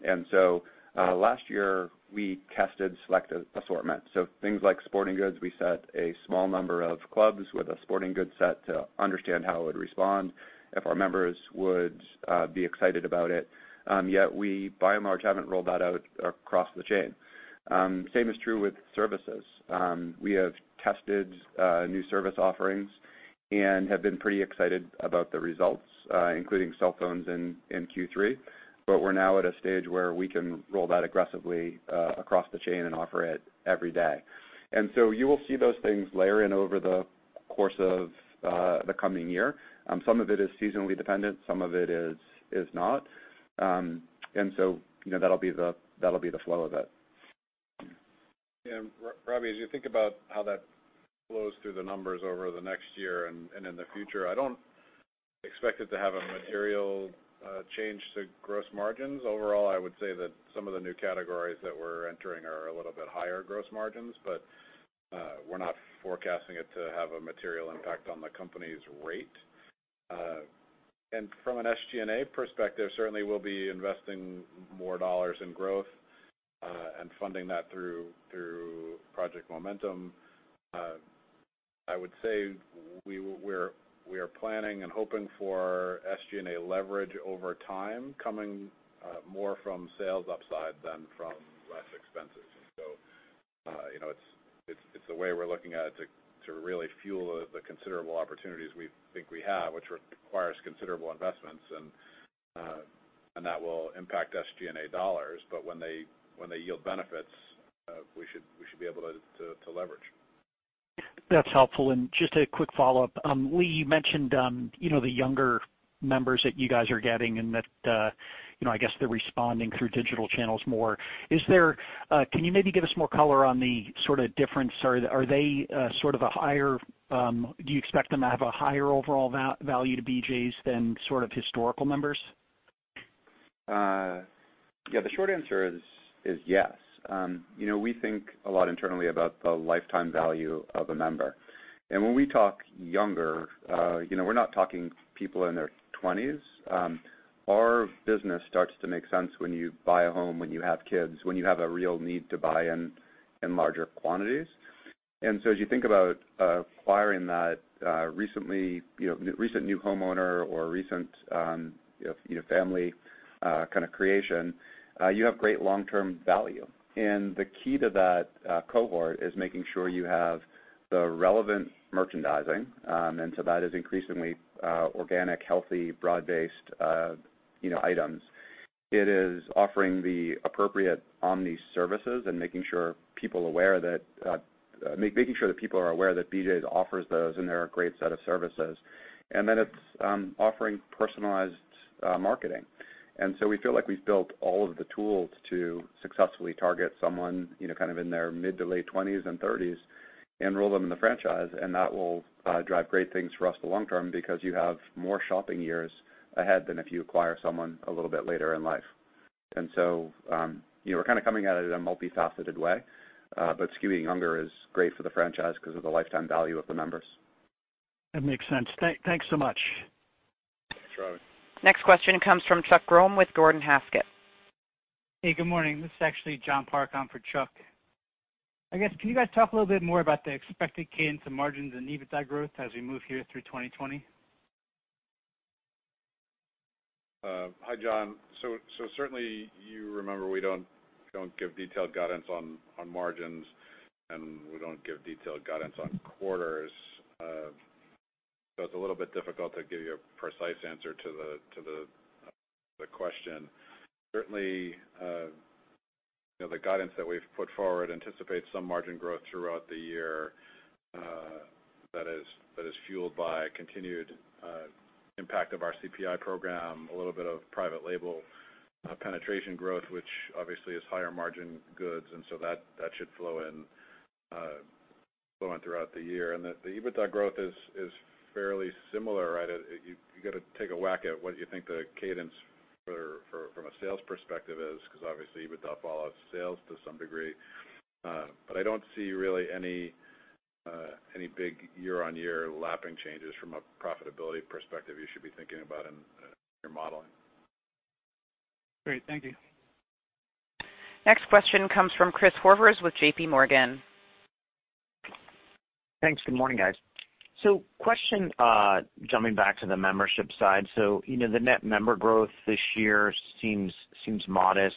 Last year, we tested select assortments. Things like sporting goods, we set a small number of clubs with a sporting goods set to understand how it would respond, if our members would be excited about it. We, by and large, haven't rolled that out across the chain. Same is true with services. We have tested new service offerings and have been pretty excited about the results, including cell phones in Q3. We're now at a stage where we can roll that aggressively across the chain and offer it every day. You will see those things layer in over the course of the coming year. Some of it is seasonally dependent, some of it is not. That'll be the flow of it. Yeah, Robby, as you think about how that flows through the numbers over the next year and in the future, I don't expect it to have a material change to gross margins. Overall, I would say that some of the new categories that we're entering are a little bit higher gross margins, but we're not forecasting it to have a material impact on the company's rate. From an SG&A perspective, certainly we'll be investing more dollars In growth, and funding that through Project Momentum. I would say we are planning and hoping for SG&A leverage over time, coming more from sales upside than from less expenses. It's a way we're looking at it to really fuel the considerable opportunities we think we have, which requires considerable investments, and that will impact SG&A dollars. When they yield benefits, we should be able to leverage. That's helpful. Just a quick follow-up. Lee, you mentioned the younger members that you guys are getting and that I guess they're responding through digital channels more. Can you maybe give us more color. Do you expect them to have a higher overall value to BJ's than sort of historical members? Yeah, the short answer is yes. We think a lot internally about the lifetime value of a member. When we talk younger, we're not talking people in their 20s. Our business starts to make sense when you buy a home, when you have kids, when you have a real need to buy in larger quantities. As you think about acquiring that recent new homeowner or recent family kind of creation, you have great long-term value. The key to that cohort is making sure you have the relevant merchandising, and so that is increasingly organic, healthy, broad-based items. It is offering the appropriate omni services and making sure that people are aware that BJ's offers those and they're a great set of services. It's offering personalized marketing. We feel like we've built all of the tools to successfully target someone kind of in their mid to late 20s and 30s and enroll them in the franchise, and that will drive great things for us for the long term because you have more shopping years ahead than if you acquire someone a little bit later in life. We're kind of coming at it in a multifaceted way. Skewing younger is great for the franchise because of the lifetime value of the members. That makes sense. Thanks so much. Thanks, Robby. Next question comes from Chuck Grom with Gordon Haskett. Hey, good morning. This is actually John Parke on for Chuck. I guess, can you guys talk a little bit more about the expected cadence of margins and EBITDA growth as we move here through 2020? Hi, John. Certainly you remember we don't give detailed guidance on margins, and we don't give detailed guidance on quarters. It's a little bit difficult to give you a precise answer to the question. Certainly, the guidance that we've put forward anticipates some margin growth throughout the year that is fueled by continued impact of our CPI program, a little bit of private label penetration growth, which obviously is higher margin goods. That should flow in throughout the year. The EBITDA growth is fairly similar. You got to take a whack at what you think the cadence from a sales perspective is, because obviously EBITDA follows sales to some degree. I don't see really any big year-on-year lapping changes from a profitability perspective you should be thinking about in your modeling. Great. Thank you. Next question comes from Chris Horvers with JPMorgan. Thanks. Good morning, guys. Question, jumping back to the membership side. The net member growth this year seems modest.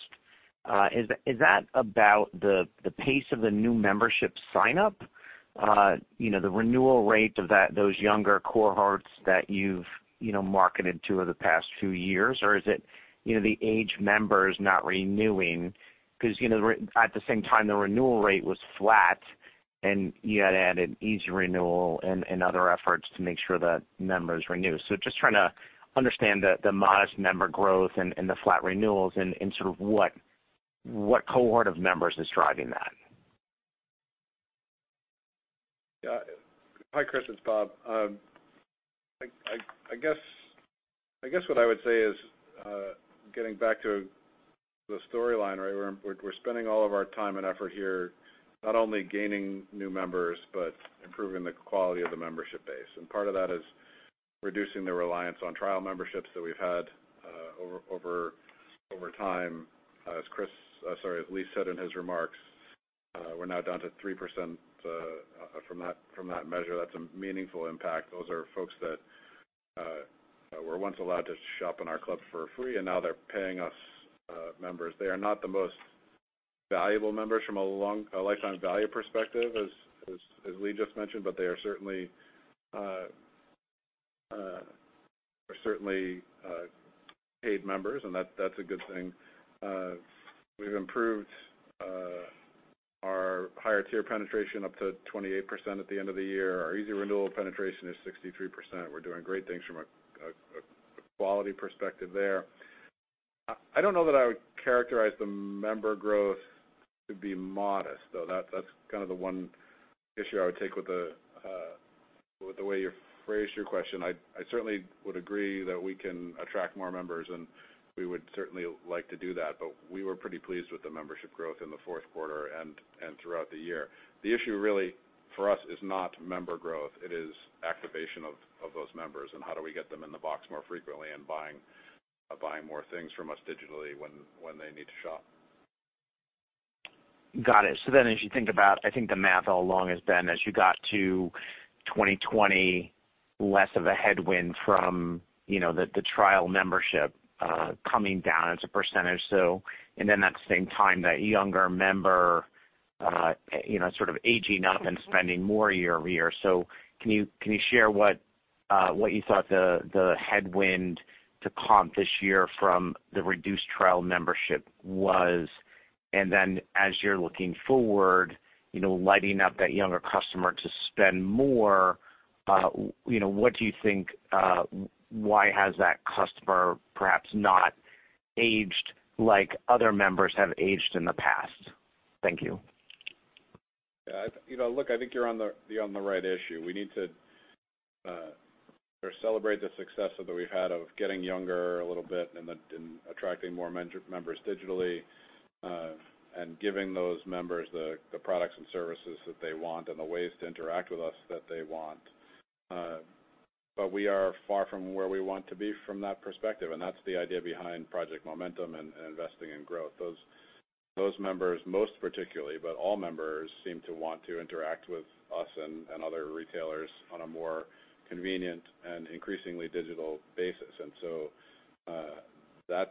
Is that about the pace of the new membership sign-up, the renewal rate of those younger cohorts that you've marketed to over the past few years? Is it the aged members not renewing? At the same time, the renewal rate was flat, and you had added BJ's Easy Renewal and other efforts to make sure that members renew. Just trying to understand the modest member growth and the flat renewals and sort of what cohort of members is driving that. Yeah. Hi, Chris, it's Bob. I guess what I would say is, getting back to the storyline, we're spending all of our time and effort here not only gaining new members, but improving the quality of the membership base. Part of that is reducing the reliance on trial memberships that we've had over time. As Lee said in his remarks, we're now down to 3% from that measure. That's a meaningful impact. Those are folks that were once allowed to shop in our club for free, and now they're paying us members. They are not the most valuable members from a lifetime value perspective, as Lee just mentioned, but they are certainly paid members, and that's a good thing. We've improved our higher tier penetration up to 28% at the end of the year. Our BJ's Easy Renewal penetration is 63%. We're doing great things from a quality perspective there. I don't know that I would characterize the member growth to be modest, though. That's kind of the one issue I would take with the way you phrased your question. I certainly would agree that we can attract more members, and we would certainly like to do that. We were pretty pleased with the membership growth in the fourth quarter and throughout the year. The issue really for us is not member growth. It is activation of those members and how do we get them in the box more frequently and buying more things from us digitally when they need to shop. Got it. As you think about, I think the math all along has been as you got to 2020, less of a headwind from the trial membership coming down as a percentage. At the same time, that younger member sort of aging up and spending more year-over-year. Can you share what you thought the headwind to comp this year from the reduced trial membership was? As you're looking forward, lighting up that younger customer to spend more, why has that customer perhaps not aged like other members have aged in the past? Thank you. Look, I think you're on the right issue. We need to celebrate the success that we've had of getting younger a little bit and attracting more members digitally, and giving those members the products and services that they want and the ways to interact with us that they want. We are far from where we want to be from that perspective, and that's the idea behind Project Momentum and investing in growth. Those members, most particularly, but all members seem to want to interact with us and other retailers on a more convenient and increasingly digital basis.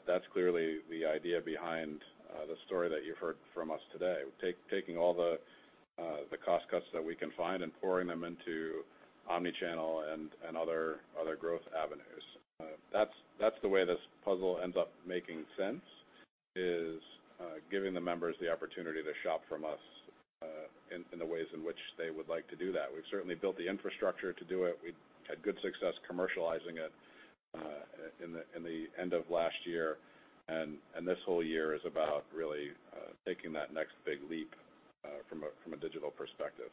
That's clearly the idea behind the story that you've heard from us today. Taking all the cost cuts that we can find and pouring them into omni-channel and other growth avenues. That's the way this puzzle ends up making sense, is giving the members the opportunity to shop from us in the ways in which they would like to do that. We've certainly built the infrastructure to do it. We've had good success commercializing it in the end of last year. This whole year is about really taking that next big leap from a digital perspective.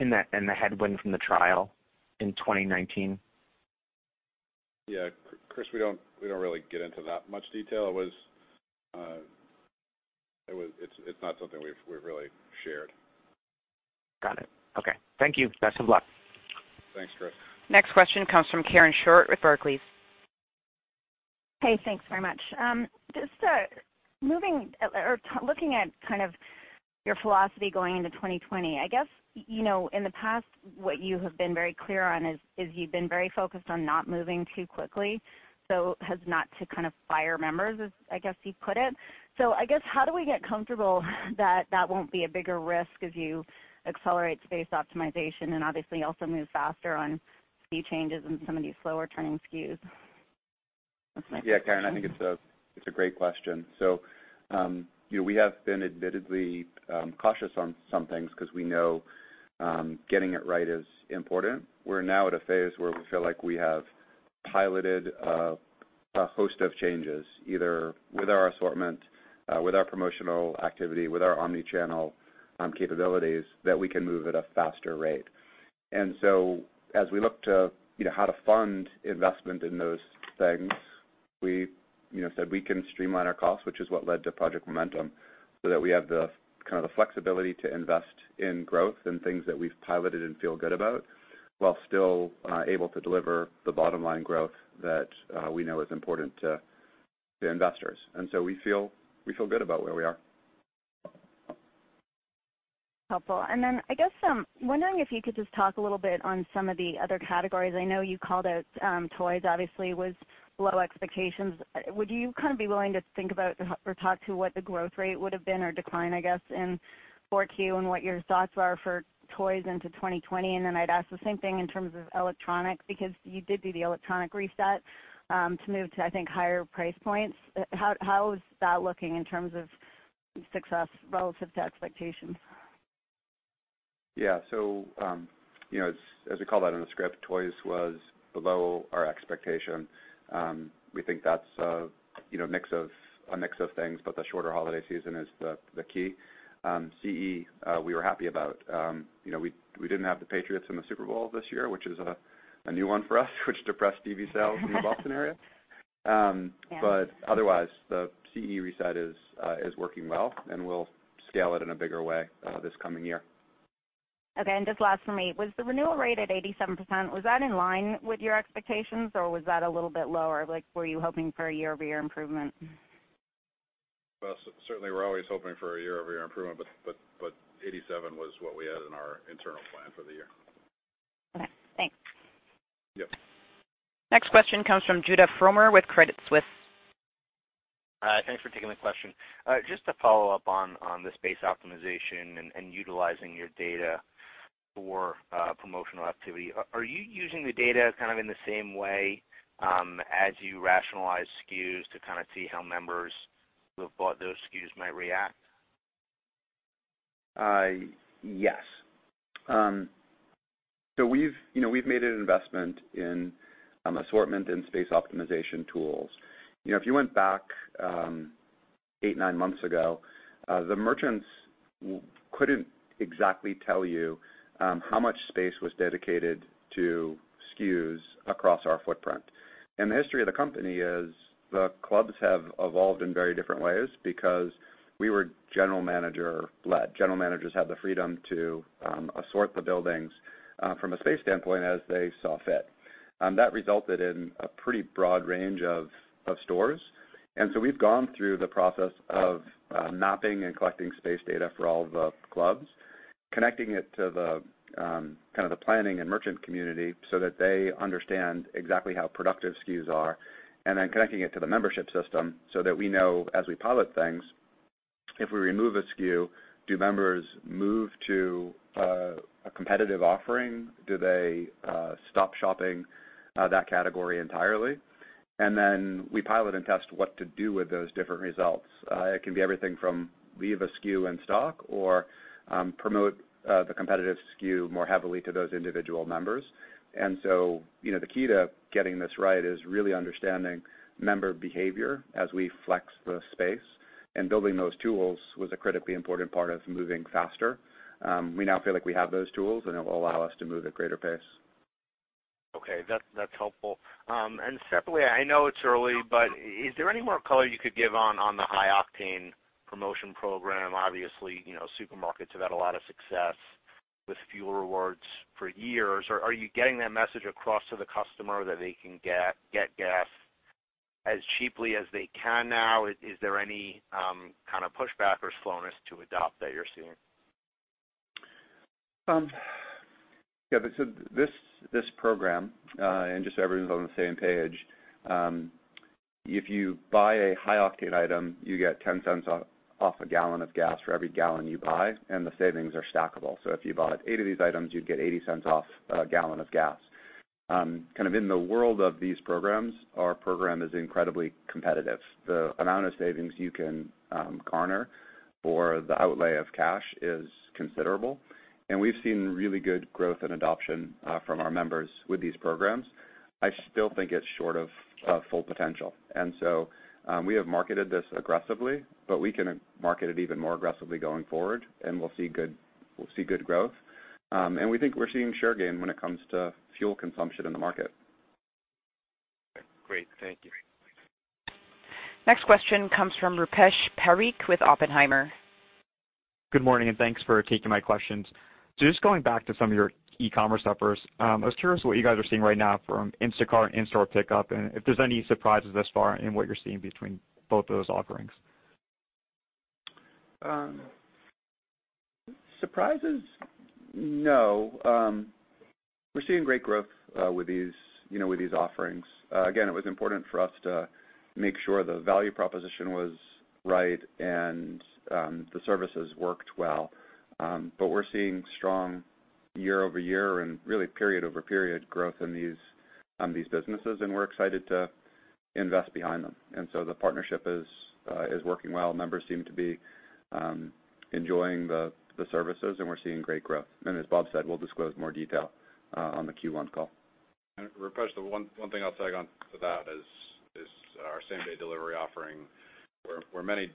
The headwind from the trial in 2019? Yeah, Chris, we don't really get into that much detail. It's not something we've really shared. Got it. Okay. Thank you. Best of luck. Thanks, Chris. Next question comes from Karen Short with Barclays. Hey, thanks very much. Just looking at kind of your philosophy going into 2020. I guess, in the past, what you have been very clear on is you've been very focused on not moving too quickly, so as not to fire members, as I guess you put it. I guess, how do we get comfortable that that won't be a bigger risk as you accelerate space optimization and obviously also move faster on fee changes and some of these slower turning SKUs? Yeah, Karen, I think it's a great question. We have been admittedly cautious on some things because we know getting it right is important. We're now at a phase where we feel like we have piloted a host of changes, either with our assortment, with our promotional activity, with our omni-channel capabilities, that we can move at a faster rate. As we look to how to fund investment in those things, we said we can streamline our costs, which is what led to Project Momentum, so that we have the flexibility to invest in growth and things that we've piloted and feel good about while still able to deliver the bottom-line growth that we know is important to the investors. We feel good about where we are. Helpful. I guess I'm wondering if you could just talk a little bit on some of the other categories. I know you called out toys obviously was below expectations. Would you be willing to think about or talk to what the growth rate would've been or decline, I guess, in 4Q and what your thoughts are for toys into 2020? I'd ask the same thing in terms of electronics, because you did do the electronic reset to move to, I think, higher price points. How is that looking in terms of success relative to expectations? As we called out in the script, toys was below our expectation. We think that's a mix of things, but the shorter holiday season is the key. CE, we were happy about. We didn't have the Patriots in the Super Bowl this year, which is a new one for us, which depressed TV sales in the Boston area. Yeah. Otherwise, the CE reset is working well, and we'll scale it in a bigger way this coming year. Okay. Just last from me, was the renewal rate at 87%, was that in line with your expectations, or was that a little bit lower? Were you hoping for a year-over-year improvement? Well, certainly we're always hoping for a year-over-year improvement, but 87% was what we had in our internal plan for the year. Okay, thanks. Yep. Next question comes from Judah Frommer with Credit Suisse. Hi, thanks for taking the question. Just to follow up on the space optimization and utilizing your data for promotional activity, are you using the data in the same way as you rationalize SKUs to see how members who have bought those SKUs might react? Yes. We've made an investment in assortment and space optimization tools. If you went back eight, nine months ago, the merchants couldn't exactly tell you how much space was dedicated to SKUs across our footprint. The history of the company is the clubs have evolved in very different ways because we were general manager led. General managers had the freedom to assort the buildings from a space standpoint as they saw fit. That resulted in a pretty broad range of stores. We've gone through the process of mapping and collecting space data for all the clubs, connecting it to the planning and merchant community so that they understand exactly how productive SKUs are, and then connecting it to the membership system so that we know as we pilot things, if we remove a SKU, do members move to a competitive offering? Do they stop shopping that category entirely? We pilot and test what to do with those different results. It can be everything from leave a SKU in stock or promote the competitive SKU more heavily to those individual members. The key to getting this right is really understanding member behavior as we flex the space, and building those tools was a critically important part of moving faster. We now feel like we have those tools, and it will allow us to move at greater pace. Okay. That's helpful. Separately, I know it's early, but is there any more color you could give on the High Octane promotion program? Obviously, supermarkets have had a lot of success with fuel rewards for years. Are you getting that message across to the customer that they can get gas as cheaply as they can now? Is there any pushback or slowness to adopt that you're seeing? This program, just so everyone's on the same page, if you buy a High Octane item, you get $0.10 off a gallon of gas for every gallon you buy, and the savings are stackable. If you bought eight of these items, you'd get $0.80 off a gallon of gas. In the world of these programs, our program is incredibly competitive. The amount of savings you can garner for the outlay of cash is considerable, and we've seen really good growth and adoption from our members with these programs. I still think it's short of full potential. We have marketed this aggressively, but we can market it even more aggressively going forward, we'll see good growth. We think we're seeing share gain when it comes to fuel consumption in the market. Great. Thank you. Next question comes from Rupesh Parikh with Oppenheimer. Good morning. Thanks for taking my questions. Just going back to some of your e-commerce offers, I was curious what you guys are seeing right now from Instacart and in-store pickup, and if there's any surprises thus far in what you're seeing between both of those offerings. Surprises? No. We're seeing great growth with these offerings. Again, it was important for us to make sure the value proposition was right and the services worked well. We're seeing strong year-over-year and really period-over-period growth in these businesses, and we're excited to invest behind them. The partnership is working well. Members seem to be enjoying the services, and we're seeing great growth. As Bob said, we'll disclose more detail on the Q1 call. Rupesh, the one thing I'll tag onto that is our same-day delivery offering, where many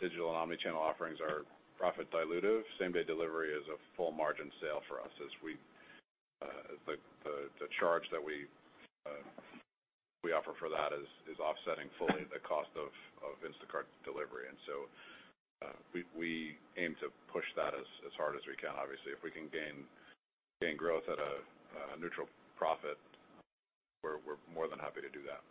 digital and omni-channel offerings are profit dilutive, same-day delivery is a full margin sale for us as the charge that we offer for that is offsetting fully the cost of Instacart delivery. So we aim to push that as hard as we can. Obviously, if we can gain growth at a neutral profit, we're more than happy to do that.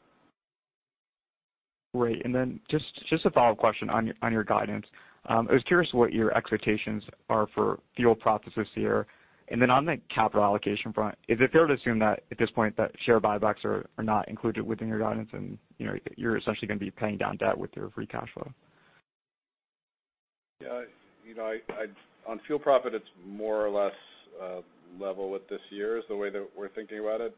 Great. Just a follow-up question on your guidance. I was curious what your expectations are for fuel profits this year. On the capital allocation front, is it fair to assume that at this point that share buybacks are not included within your guidance and you're essentially going to be paying down debt with your free cash flow? Yeah. On fuel profit, it's more or less level with this year is the way that we're thinking about it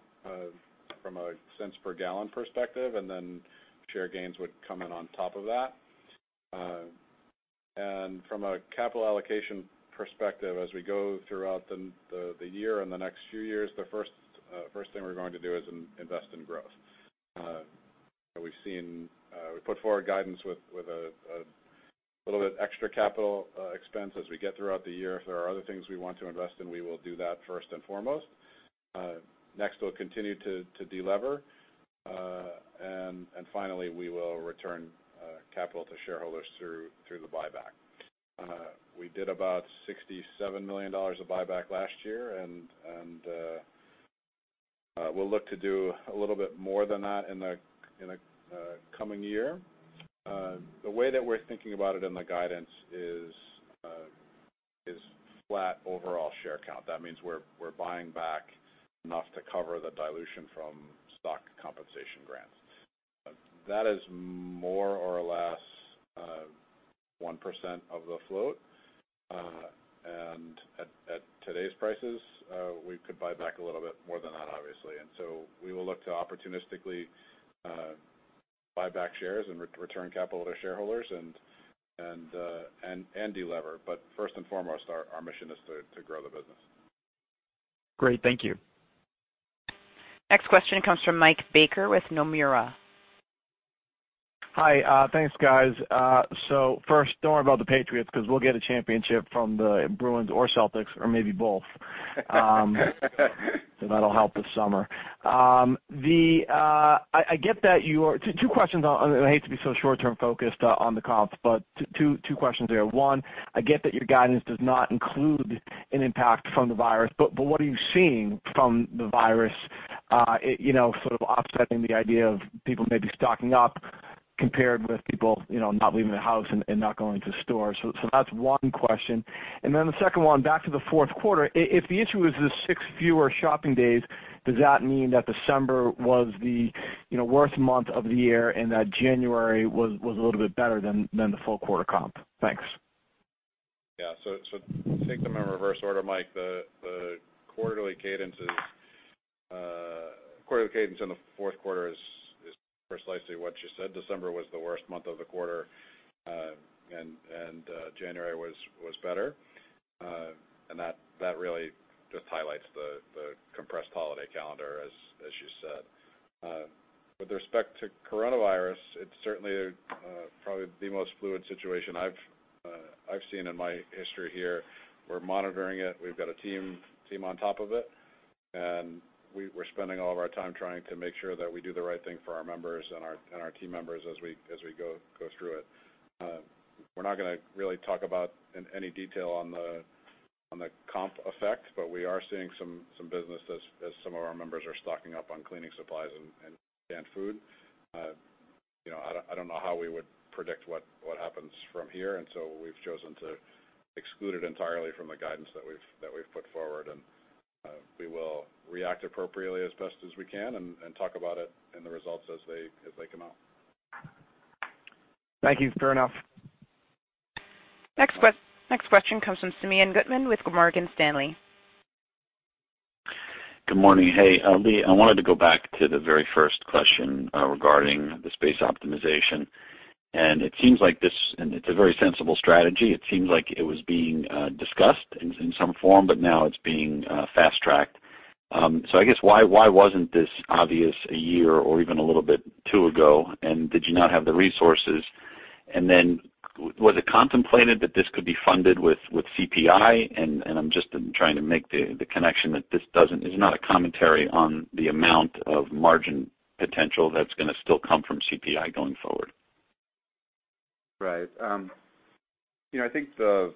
from a cents per gallon perspective. Then share gains would come in on top of that. From a capital allocation perspective, as we go throughout the year and the next few years, the first thing we're going to do is invest in growth. We've put forward guidance with a little bit extra capital expense as we get throughout the year. If there are other things we want to invest in, we will do that first and foremost. Next, we'll continue to de-lever. Finally, we will return capital to shareholders through the buyback. We did about $67 million of buyback last year, and we'll look to do a little bit more than that in the coming year. The way that we're thinking about it in the guidance is flat overall share count. That means we're buying back enough to cover the dilution from stock compensation grants. That is more or less 1% of the float. At today's prices, we could buy back a little bit more than that, obviously. We will look to opportunistically buy back shares and return capital to shareholders and de-lever. First and foremost, our mission is to grow the business. Great. Thank you. Next question comes from Mike Baker with Nomura. Hi. Thanks, guys. First, don't worry about the Patriots because we'll get a championship from the Bruins or Celtics or maybe both. That'll help the summer. Two questions. I hate to be so short-term focused on the comps, but two questions there. One, I get that your guidance does not include an impact from the virus, but what are you seeing from the virus offsetting the idea of people maybe stocking up compared with people not leaving the house and not going to stores? That's one question. The second one, back to the fourth quarter. If the issue is the six fewer shopping days, does that mean that December was the worst month of the year and that January was a little bit better than the full quarter comp? Thanks. Yeah. Take them in reverse order, Mike. The quarterly cadence in the fourth quarter is precisely what you said. December was the worst month of the quarter, and January was better. That really just highlights the compressed holiday calendar as you said. With respect to coronavirus, it's certainly probably the most fluid situation I've seen in my history here. We're monitoring it. We've got a team on top of it, and we're spending all of our time trying to make sure that we do the right thing for our members and our team members as we go through it. We're not going to really talk about any detail on the comp effect, but we are seeing some business as some of our members are stocking up on cleaning supplies and food. I don't know how we would predict what happens from here, and so we've chosen to exclude it entirely from the guidance that we've put forward, and we will react appropriately as best as we can and talk about it in the results as they come out. Thank you. Fair enough. Next question comes from Simeon Gutman with Morgan Stanley. Good morning. Hey, Lee, I wanted to go back to the very first question regarding the space optimization. It's a very sensible strategy. It seems like it was being discussed in some form, but now it's being fast-tracked. I guess why wasn't this obvious a year or even a little bit two ago, and did you not have the resources? Was it contemplated that this could be funded with CPI? I'm just trying to make the connection that this is not a commentary on the amount of margin potential that's going to still come from CPI going forward. Right. I think the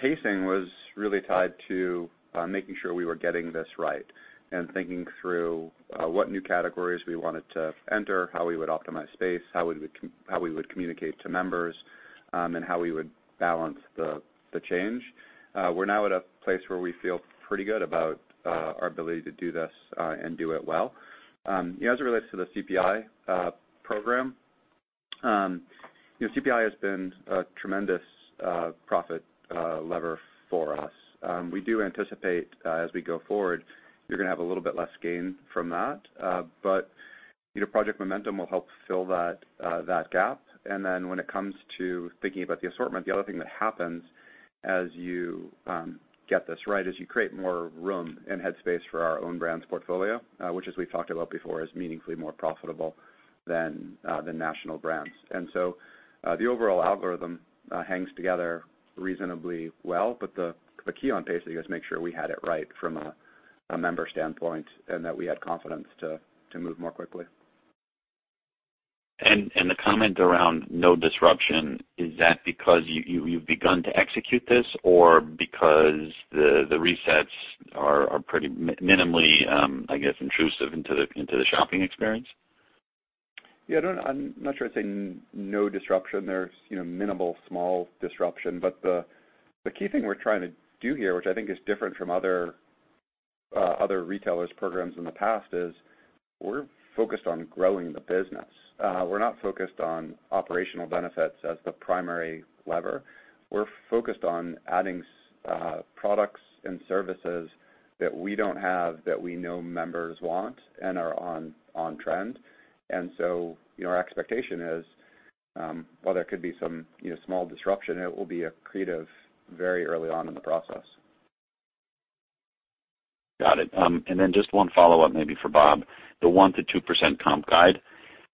pacing was really tied to making sure we were getting this right and thinking through what new categories we wanted to enter, how we would optimize space, how we would communicate to members, and how we would balance the change. We're now at a place where we feel pretty good about our ability to do this and do it well. As it relates to the CPI program, CPI has been a tremendous profit lever for us. We do anticipate as we go forward, you're going to have a little bit less gain from that. Project Momentum will help fill that gap. When it comes to thinking about the assortment, the other thing that happens as you get this right is you create more room and head space for our own brands portfolio, which as we've talked about before, is meaningfully more profitable than national brands. The overall algorithm hangs together reasonably well. The key on pacing is make sure we had it right from a member standpoint and that we had confidence to move more quickly. The comment around no disruption, is that because you've begun to execute this or because the resets are pretty minimally, I guess, intrusive into the shopping experience? Yeah. I'm not sure I'd say no disruption. There's minimal, small disruption. The key thing we're trying to do here, which I think is different from other retailers' programs in the past, is we're focused on growing the business. We're not focused on operational benefits as the primary lever. We're focused on adding products and services that we don't have that we know members want and are on trend. Our expectation is, while there could be some small disruption, it will be accretive very early on in the process. Got it. Just one follow-up maybe for Bob. The 1%-2% comp guide,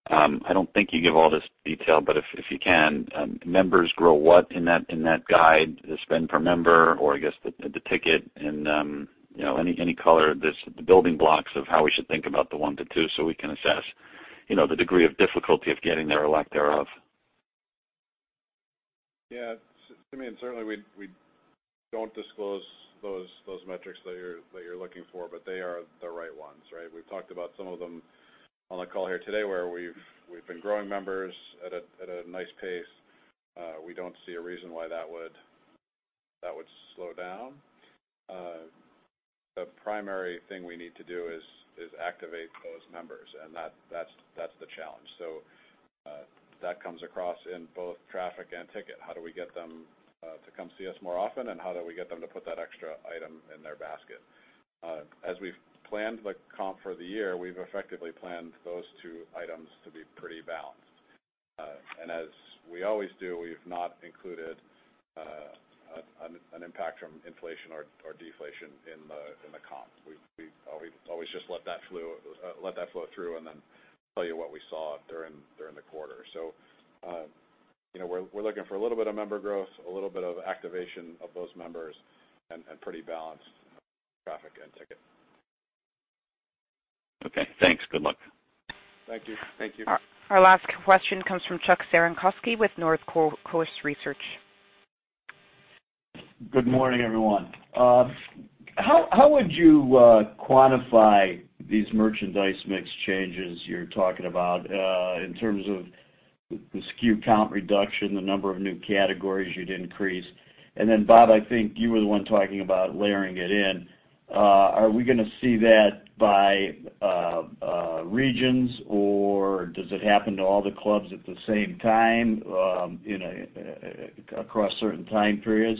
I don't think you give all this detail, but if you can, members grow what in that guide, the spend per member or, I guess, the ticket and any color, the building blocks of how we should think about the 1%-2% so we can assess the degree of difficulty of getting there or lack thereof. I mean, certainly we don't disclose those metrics that you're looking for, but they are the right ones, right? We've talked about some of them on the call here today where we've been growing members at a nice pace. We don't see a reason why that would slow down. The primary thing we need to do is activate those members, and that's the challenge. That comes across in both traffic and ticket. How do we get them to come see us more often, and how do we get them to put that extra item in their basket? As we've planned the comp for the year, we've effectively planned those two items to be pretty balanced. As we always do, we've not included an impact from inflation or deflation in the comp. We always just let that flow through and then tell you what we saw during the quarter. We're looking for a little bit of member growth, a little bit of activation of those members, and pretty balanced traffic and ticket. Okay, thanks. Good luck. Thank you. Thank you. Our last question comes from Chuck Cerankosky with Northcoast Research. Good morning, everyone. How would you quantify these merchandise mix changes you're talking about in terms of the SKU count reduction, the number of new categories you'd increase? Bob, I think you were the one talking about layering it in. Are we going to see that by regions, or does it happen to all the clubs at the same time across certain time periods?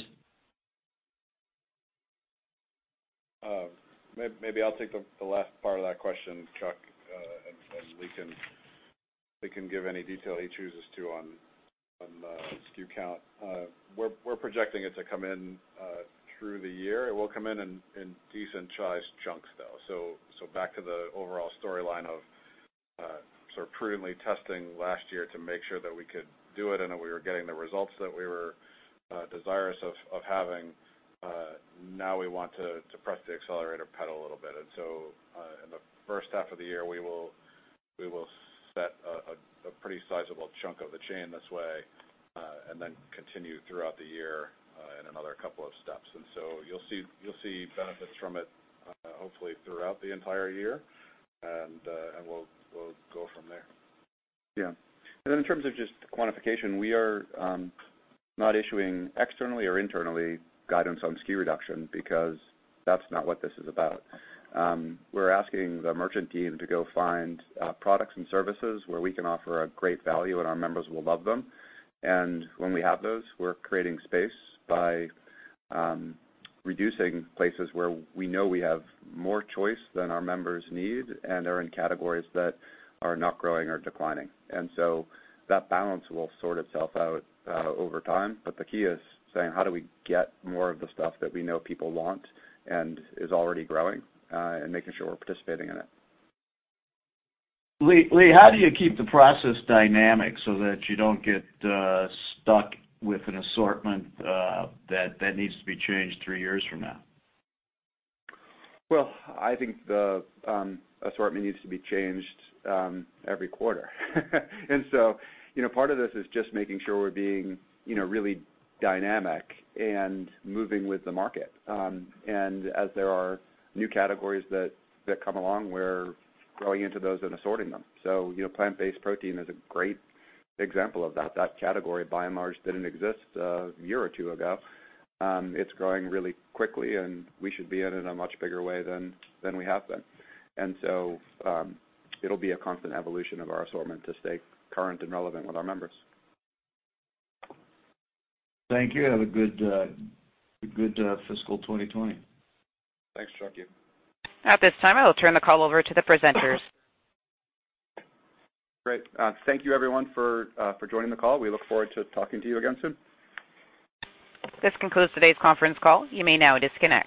Maybe I'll take the last part of that question, Chuck, and Lee can give any detail he chooses to on SKU count. We're projecting it to come in through the year. It will come in decent-sized chunks, though. Back to the overall storyline of sort of prudently testing last year to make sure that we could do it and that we were getting the results that we were desirous of having. Now we want to press the accelerator pedal a little bit. In the first half of the year, we will set a pretty sizable chunk of the chain this way and then continue throughout the year in another couple of steps. You'll see benefits from it hopefully throughout the entire year, and we'll go from there. Yeah. In terms of just quantification, we are not issuing externally or internally guidance on SKU reduction because that's not what this is about. We're asking the merchant team to go find products and services where we can offer a great value and our members will love them. When we have those, we're creating space by reducing places where we know we have more choice than our members need and are in categories that are not growing or declining. That balance will sort itself out over time. The key is saying, how do we get more of the stuff that we know people want and is already growing and making sure we're participating in it. Lee, how do you keep the process dynamic so that you don't get stuck with an assortment that needs to be changed three years from now? Well, I think the assortment needs to be changed every quarter. Part of this is just making sure we're being really dynamic and moving with the market. As there are new categories that come along, we're growing into those and assorting them. Plant-based protein is a great example of that. That category, by and large, didn't exist a year or two ago. It's growing really quickly, and we should be in it in a much bigger way than we have been. It'll be a constant evolution of our assortment to stay current and relevant with our members. Thank you. Have a good fiscal 2020. Thanks, Chuck. At this time, I will turn the call over to the presenters. Great. Thank you everyone for joining the call. We look forward to talking to you again soon. This concludes today's conference call. You may now disconnect.